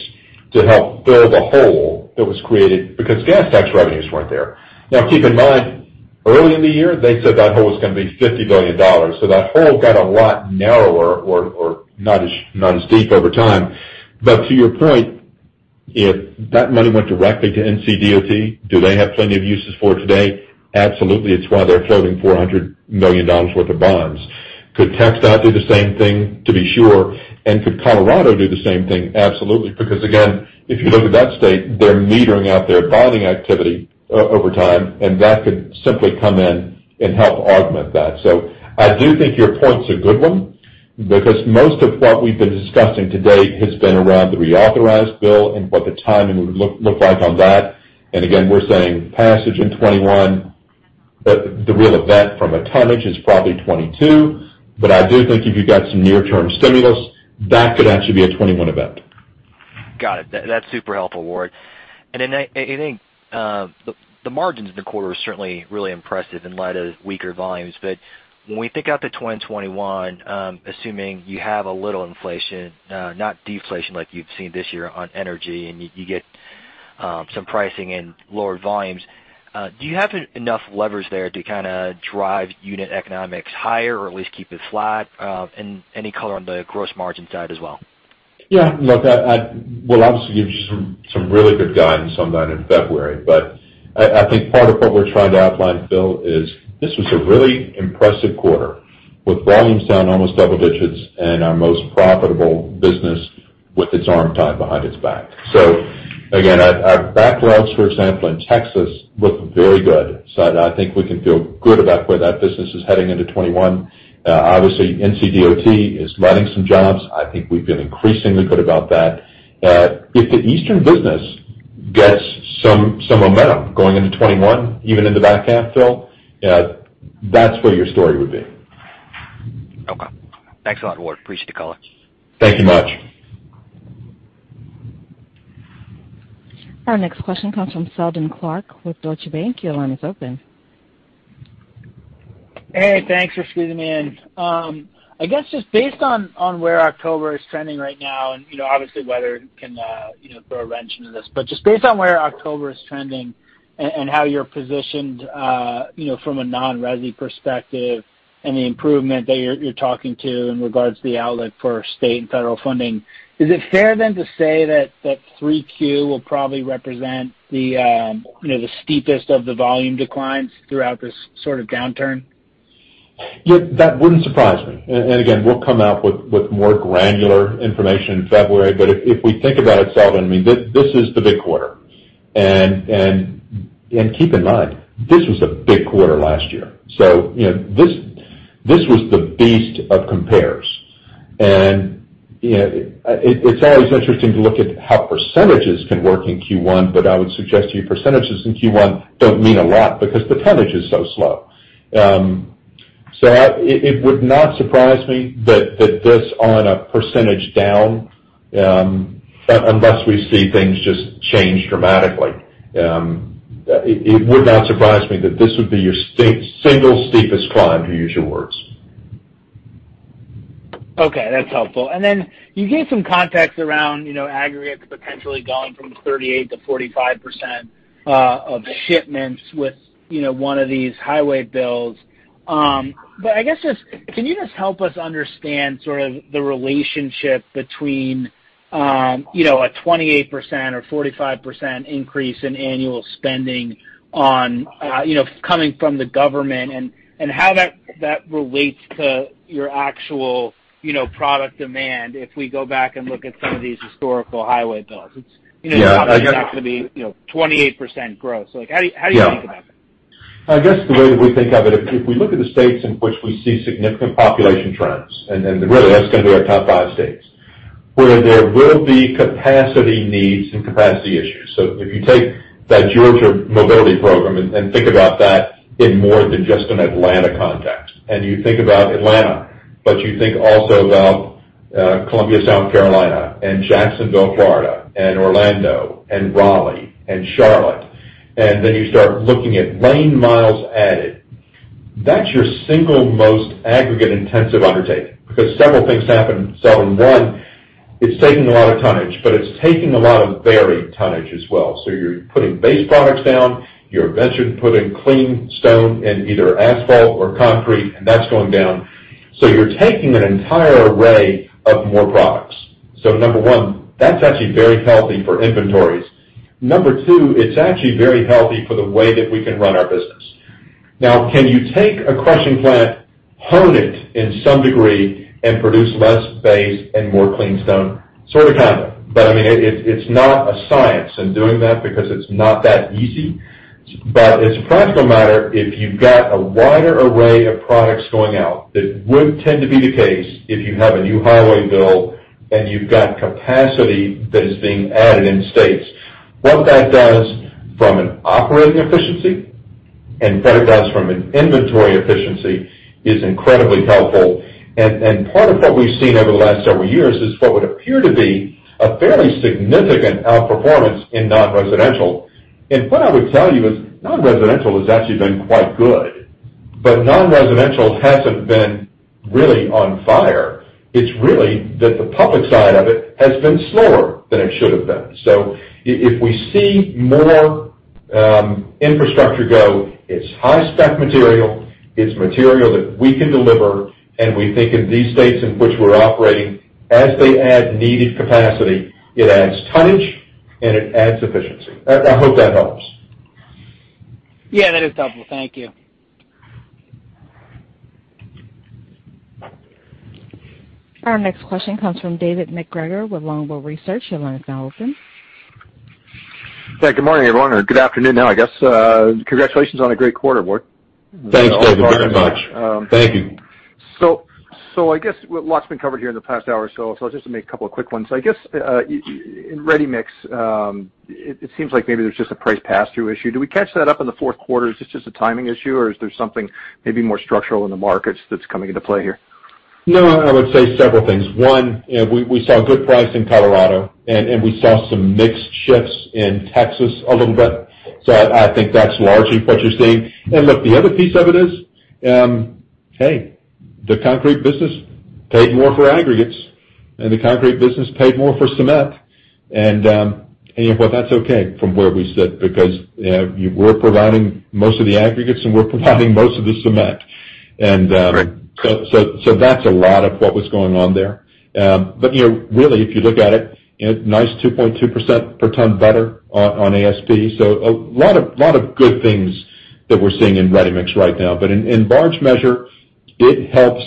Speaker 3: to help fill the hole that was created because gas tax revenues weren't there. Keep in mind, early in the year, they said that hole was going to be $50 billion. That hole got a lot narrower or not as deep over time. To your point, if that money went directly to NCDOT, do they have plenty of uses for it today? Absolutely. It's why they're floating $400 million worth of bonds. Could Texas do the same thing? To be sure. Could Colorado do the same thing? Absolutely. Again, if you look at that state, they're metering out their bonding activity over time, and that could simply come in and help augment that. I do think your point's a good one because most of what we've been discussing to date has been around the reauthorized bill and what the timing would look like on that. Again, we're saying passage in 2021, but the real event from a tonnage is probably 2022. I do think if you got some near-term stimulus, that could actually be a 2021 event.
Speaker 12: Got it. That's super helpful, Ward. I think the margins in the quarter are certainly really impressive in light of weaker volumes. When we think out to 2021, assuming you have a little inflation, not deflation like you've seen this year on energy, and you get some pricing and lower volumes. Do you have enough levers there to drive unit economics higher or at least keep it flat? Any color on the gross margin side as well?
Speaker 3: Look, we'll obviously give you some really good guidance on that in February. I think part of what we're trying to outline, Phil, is this was a really impressive quarter, with volumes down almost double digits and our most profitable business with its arm tied behind its back. Again, our backlogs, for example, in Texas look very good. I think we can feel good about where that business is heading into 2021. Obviously, NCDOT is letting some jobs. I think we've been increasingly good about that. If the eastern business gets some momentum going into 2021, even in the back half, Phil, that's where your story would be.
Speaker 12: Okay. Thanks a lot, Ward. Appreciate the color.
Speaker 3: Thank you much.
Speaker 1: Our next question comes from Seldon Clarke with Deutsche Bank. Your line is open.
Speaker 13: Hey, thanks for squeezing me in. I guess just based on where October is trending right now, and obviously weather can throw a wrench into this, but just based on where October is trending and how you're positioned from a non-resi perspective and the improvement that you're talking to in regards to the outlook for state and federal funding, is it fair then to say that 3Q will probably represent the steepest of the volume declines throughout this sort of downturn?
Speaker 3: Yeah, that wouldn't surprise me. Again, we'll come out with more granular information in February. If we think about it, Seldon, this is the big quarter. Keep in mind, this was a big quarter last year. This was the beast of compares. It's always interesting to look at how percentages can work in Q1, but I would suggest to you percentages in Q1 don't mean a lot because the tonnage is so slow. It would not surprise me that this on a percentage down, unless we see things just change dramatically. It would not surprise me that this would be your single steepest decline, to use your words.
Speaker 13: Okay, that's helpful. Then you gave some context around aggregate potentially going from 28% to 45% of shipments with one of these highway bills. I guess, can you just help us understand sort of the relationship between a 28% or 45% increase in annual spending coming from the government and how that relates to your actual product demand if we go back and look at some of these historical highway bills? Yeah. It's obviously not going to be 28% growth. How do you think about that?
Speaker 3: I guess the way we think of it, if we look at the states in which we see significant population trends, Really that's going to be our top five states, where there will be capacity needs and capacity issues. If you take that Georgia mobility program and think about that in more than just an Atlanta context, You think about Atlanta, You think also about Columbia, South Carolina, Jacksonville, Florida, Orlando, Raleigh, Charlotte, Then you start looking at lane miles added, that's your single most aggregate intensive undertaking because several things happen. One, it's taking a lot of tonnage, It's taking a lot of varied tonnage as well. You're putting base products down, you're eventually putting clean stone in either asphalt or concrete, That's going down. You're taking an entire array of more products. Number one, that's actually very healthy for inventories. Number two, it's actually very healthy for the way that we can run our business. Now, can you take a crushing plant, hone it in some degree, and produce less base and more clean stone? Sort of, kind of. It's not a science in doing that because it's not that easy. As a practical matter, if you've got a wider array of products going out, that would tend to be the case if you have a new highway bill and you've got capacity that is being added in states. What that does from an operating efficiency and what it does from an inventory efficiency is incredibly helpful. Part of what we've seen over the last several years is what would appear to be a fairly significant outperformance in non-residential. What I would tell you is non-residential has actually been quite good, but non-residential hasn't been really on fire. It's really that the public side of it has been slower than it should have been. If we see more infrastructure go, it's high spec material, it's material that we can deliver, and we think in these states in which we're operating, as they add needed capacity, it adds tonnage and it adds efficiency. I hope that helps.
Speaker 13: Yeah, that is helpful. Thank you.
Speaker 1: Our next question comes from David MacGregor with Longbow Research. Your line is now open.
Speaker 14: Hey, good morning, everyone, or good afternoon now, I guess. Congratulations on a great quarter, Ward.
Speaker 3: Thanks, David. Thank you very much. Thank you.
Speaker 14: I guess a lot's been covered here in the past hour or so, I'll just make a couple of quick ones. I guess in ready-mix, it seems like maybe there's just a price pass-through issue. Do we catch that up in the fourth quarter? Is this just a timing issue, or is there something maybe more structural in the markets that's coming into play here?
Speaker 3: No, I would say several things. One, we saw good price in Colorado, and we saw some mix shifts in Texas a little bit. I think that's largely what you're seeing. Look, the other piece of it is, the concrete business paid more for aggregates, and the concrete business paid more for cement. That's okay from where we sit, because we're providing most of the aggregates, and we're providing most of the cement. Great. That's a lot of what was going on there. Really, if you look at it, nice 2.2% per ton better on ASP. A lot of good things that we're seeing in ready-mix right now. In large measure, it helps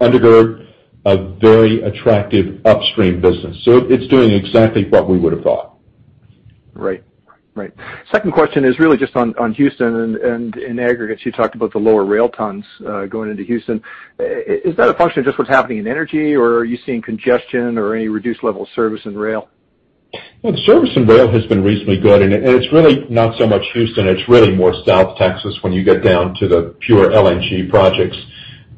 Speaker 3: undergird a very attractive upstream business. It's doing exactly what we would've thought.
Speaker 14: Right. Second question is really just on Houston and in aggregates. You talked about the lower rail tons going into Houston. Is that a function of just what's happening in energy, or are you seeing congestion or any reduced level of service in rail?
Speaker 3: The service in rail has been reasonably good, and it's really not so much Houston, it's really more South Texas when you get down to the pure LNG projects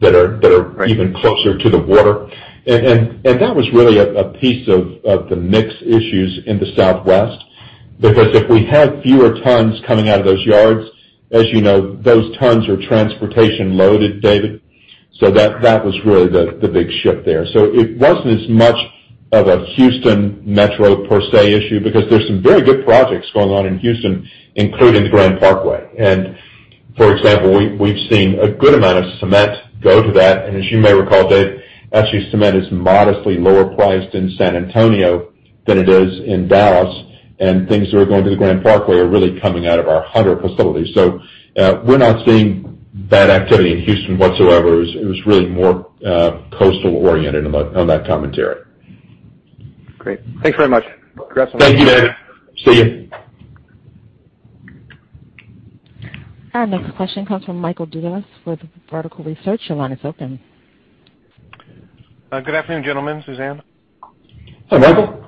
Speaker 3: that are even closer to the water. That was really a piece of the mix issues in the Southwest, because if we had fewer tons coming out of those yards, as you know, those tons are transportation loaded, David. That was really the big shift there. It wasn't as much of a Houston metro per se issue because there's some very good projects going on in Houston, including the Grand Parkway. For example, we've seen a good amount of cement go to that. As you may recall, David, actually cement is modestly lower priced in San Antonio than it is in Dallas, and things that are going to the Grand Parkway are really coming out of our Hunter facility. We're not seeing bad activity in Houston whatsoever. It was really more coastal oriented on that commentary.
Speaker 14: Great. Thanks very much. Congrats on.
Speaker 3: Thank you, David. See you.
Speaker 1: Our next question comes from Michael Dudas with Vertical Research. Your line is open.
Speaker 15: Good afternoon, gentlemen, Suzanne.
Speaker 3: Hi, Michael.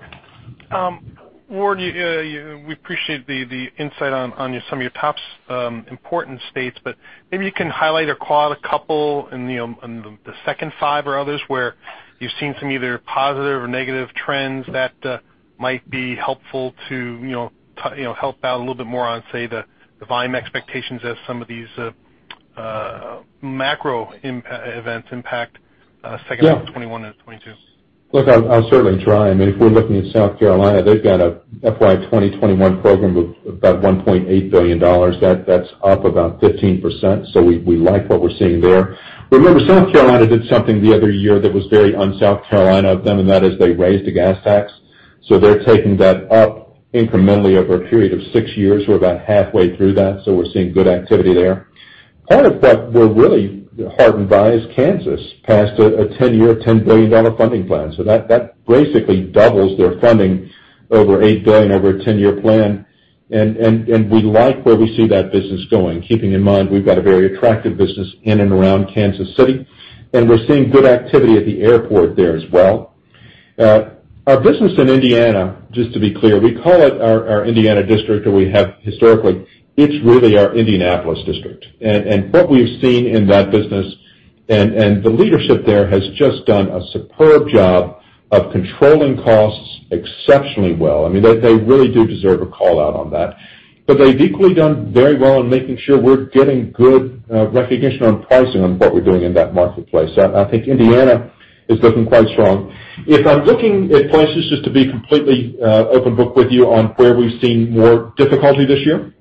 Speaker 15: Ward, we appreciate the insight on some of your top important states. Maybe you can highlight or call out a couple in the second five or others where you've seen some either positive or negative trends that might be helpful to help out a little bit more on, say, the volume expectations as some of these macro events impact second half 2021 and 2022.
Speaker 3: Look, I'll certainly try. If we're looking at South Carolina, they've got a FY 2021 program of about $1.8 billion. That's up about 15%, so we like what we're seeing there. Remember, South Carolina did something the other year that was very un-South Carolina of them, and that is they raised the gas tax. They're taking that up incrementally over a period of six years. We're about halfway through that, so we're seeing good activity there. Part of what we're really heartened by is Kansas passed a 10-year, $10 billion funding plan. That basically doubles their funding over $8 billion over a 10-year plan, and we like where we see that business going. Keeping in mind, we've got a very attractive business in and around Kansas City, and we're seeing good activity at the airport there as well. Our business in Indiana, just to be clear, we call it our Indiana district, or we have historically. It's really our Indianapolis district. What we've seen in that business, and the leadership there has just done a superb job of controlling costs exceptionally well. They really do deserve a call-out on that. They've equally done very well in making sure we're getting good recognition on pricing on what we're doing in that marketplace. I think Indiana is looking quite strong. If I'm looking at places, just to be completely open book with you on where we've seen more difficulty this year,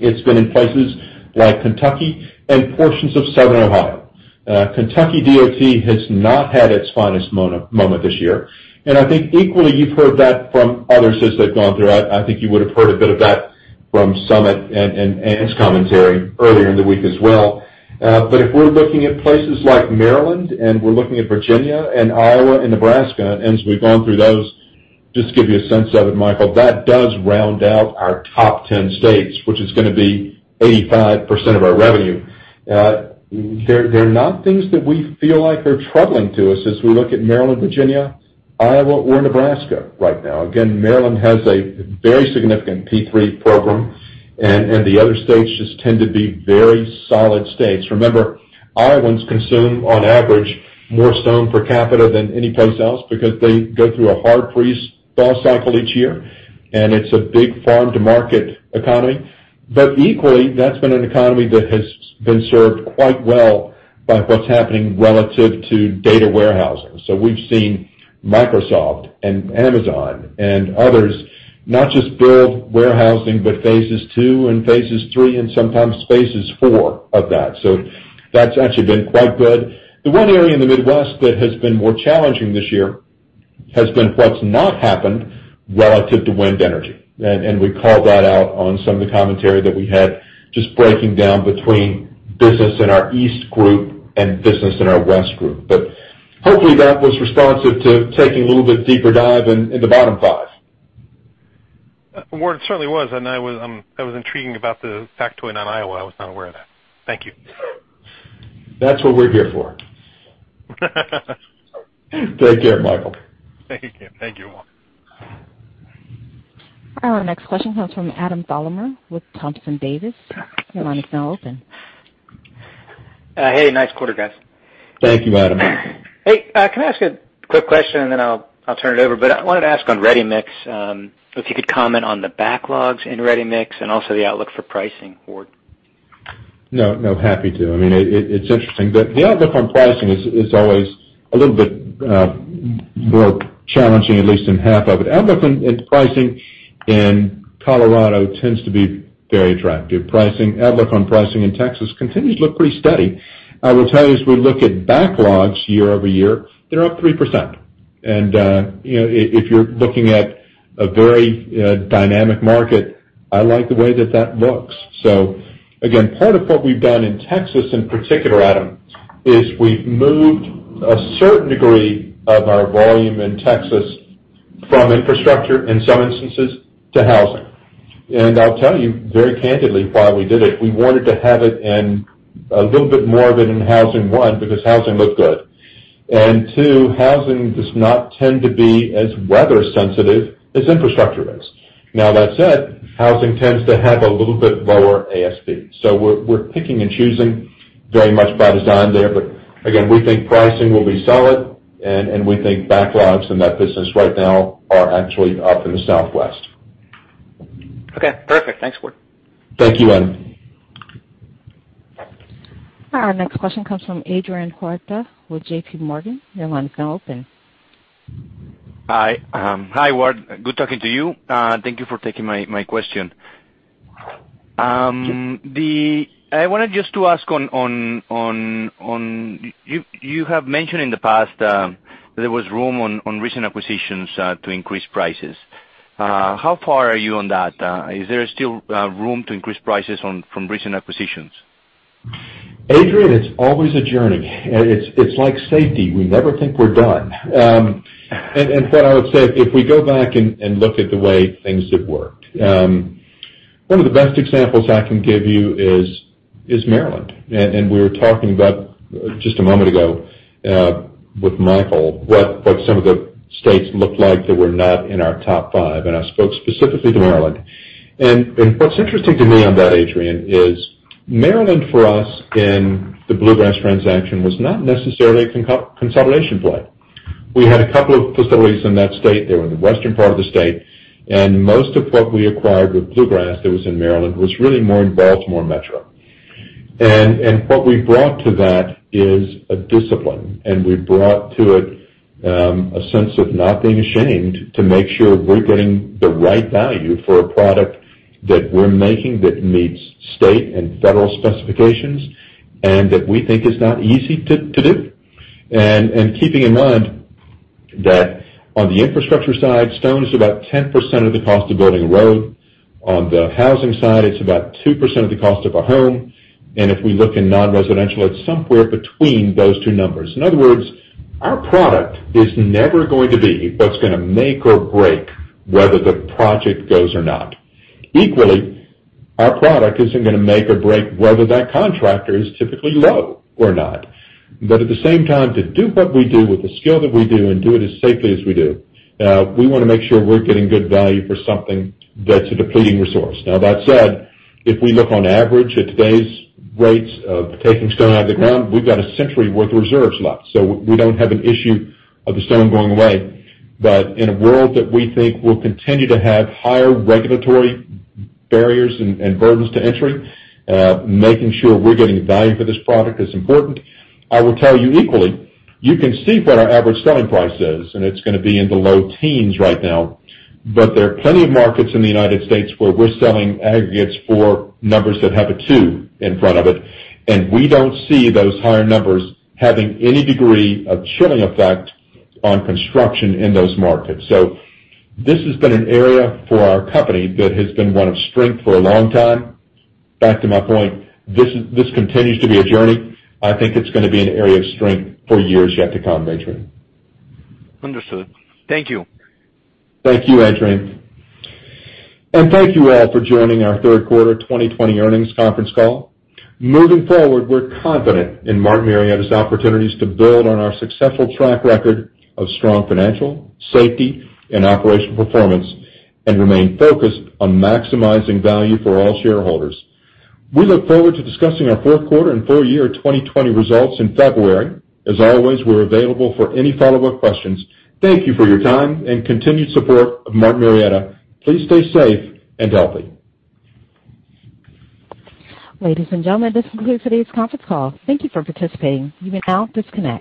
Speaker 3: it's been in places like Kentucky and portions of Southern Ohio. Kentucky DOT has not had its finest moment this year. I think equally you've heard that from others as they've gone through. I think you would've heard a bit of that from Summit Materials and Anne's commentary earlier in the week as well. If we're looking at places like Maryland and we're looking at Virginia and Iowa and Nebraska, and as we've gone through those, just to give you a sense of it, Michael, that does round out our top 10 states, which is going to be 85% of our revenue. They're not things that we feel like are troubling to us as we look at Maryland, Virginia, Iowa, or Nebraska right now. Again, Maryland has a very significant P3 program, and the other states just tend to be very solid states. Remember, Iowans consume on average, more stone per capita than any place else because they go through a hard freeze-thaw cycle each year, and it's a big farm-to-market economy. Equally, that's been an economy that has been served quite well by what's happening relative to data warehousing. We've seen Microsoft and Amazon and others not just build warehousing, but phases 2 and phases 3 and sometimes phases 4 of that. That's actually been quite good. The one area in the Midwest that has been more challenging this year has been what's not happened relative to wind energy. We called that out on some of the commentary that we had just breaking down between business in our East Group and business in our West Group. Hopefully that was responsive to taking a little bit deeper dive in the bottom five.
Speaker 15: Ward, it certainly was, and that was intriguing about the factoid on Iowa. I was not aware of that. Thank you.
Speaker 3: That's what we're here for. Take care, Michael.
Speaker 15: Thank you. Thank you, Ward.
Speaker 1: Our next question comes from Adam Thalhimer with Thompson Davis. Your line is now open.
Speaker 16: Hey, nice quarter, guys.
Speaker 3: Thank you, Adam.
Speaker 16: Hey, can I ask a quick question, and then I'll turn it over. I wanted to ask on ready-mix, if you could comment on the backlogs in ready-mix and also the outlook for pricing, Ward?
Speaker 3: No, happy to. It's interesting. The outlook on pricing is always a little bit more challenging, at least in half of it. Outlook in pricing in Colorado tends to be very attractive. Outlook on pricing in Texas continues to look pretty steady. I will tell you, as we look at backlogs year-over-year, they're up 3%. If you're looking at a very dynamic market, I like the way that that looks. Again, part of what we've done in Texas, in particular, Adam, is we've moved a certain degree of our volume in Texas from infrastructure, in some instances, to housing. I'll tell you very candidly why we did it. We wanted to have it in a little bit more of it in housing, one, because housing looked good. Two, housing does not tend to be as weather sensitive as infrastructure is. That said, housing tends to have a little bit lower ASP. We're picking and choosing very much by design there. Again, we think pricing will be solid, and we think backlogs in that business right now are actually up in the Southwest.
Speaker 16: Okay, perfect. Thanks, Ward.
Speaker 3: Thank you, Adam.
Speaker 1: Our next question comes from Adrian Huerta with JP Morgan. Your line is now open.
Speaker 17: Hi, Ward. Good talking to you. Thank you for taking my question. You have mentioned in the past that there was room on recent acquisitions to increase prices. How far are you on that? Is there still room to increase prices from recent acquisitions?
Speaker 3: Adrian, it's always a journey. It's like safety. We never think we're done. What I would say, if we go back and look at the way things have worked. One of the best examples I can give you is Maryland. We were talking about, just a moment ago, with Michael, what some of the states looked like that were not in our top five, and I spoke specifically to Maryland. What's interesting to me on that, Adrian, is Maryland for us in the Bluegrass transaction was not necessarily a consolidation play. We had a couple of facilities in that state. They were in the western part of the state, and most of what we acquired with Bluegrass that was in Maryland was really more in Baltimore Metro. What we brought to that is a discipline, and we brought to it a sense of not being ashamed to make sure we're getting the right value for a product that we're making that meets state and federal specifications and that we think is not easy to do. Keeping in mind that on the infrastructure side, stone is about 10% of the cost of building a road. On the housing side, it's about 2% of the cost of a home. If we look in non-residential, it's somewhere between those two numbers. In other words, our product is never going to be what's going to make or break whether the project goes or not. Equally, our product isn't going to make or break whether that contractor is typically low or not. At the same time, to do what we do with the skill that we do and do it as safely as we do, we want to make sure we're getting good value for something that's a depleting resource. That said, if we look on average at today's rates of taking stone out of the ground, we've got a century worth of reserves left. We don't have an issue of the stone going away. In a world that we think will continue to have higher regulatory barriers and burdens to entry, making sure we're getting value for this product is important. I will tell you equally, you can see what our average selling price is, and it's going to be in the low teens right now. There are plenty of markets in the U.S. where we're selling aggregates for numbers that have a two in front of it, and we don't see those higher numbers having any degree of chilling effect on construction in those markets. This has been an area for our company that has been one of strength for a long time. Back to my point, this continues to be a journey. I think it's going to be an area of strength for years yet to come, Adrian.
Speaker 17: Understood. Thank you.
Speaker 3: Thank you, Adrian. Thank you all for joining our third quarter 2020 earnings conference call. Moving forward, we're confident in Martin Marietta's opportunities to build on our successful track record of strong financial, safety, and operational performance and remain focused on maximizing value for all shareholders. We look forward to discussing our fourth quarter and full year 2020 results in February. As always, we're available for any follow-up questions. Thank you for your time and continued support of Martin Marietta. Please stay safe and healthy.
Speaker 1: Ladies and gentlemen, this concludes today's conference call. Thank you for participating. You may now disconnect.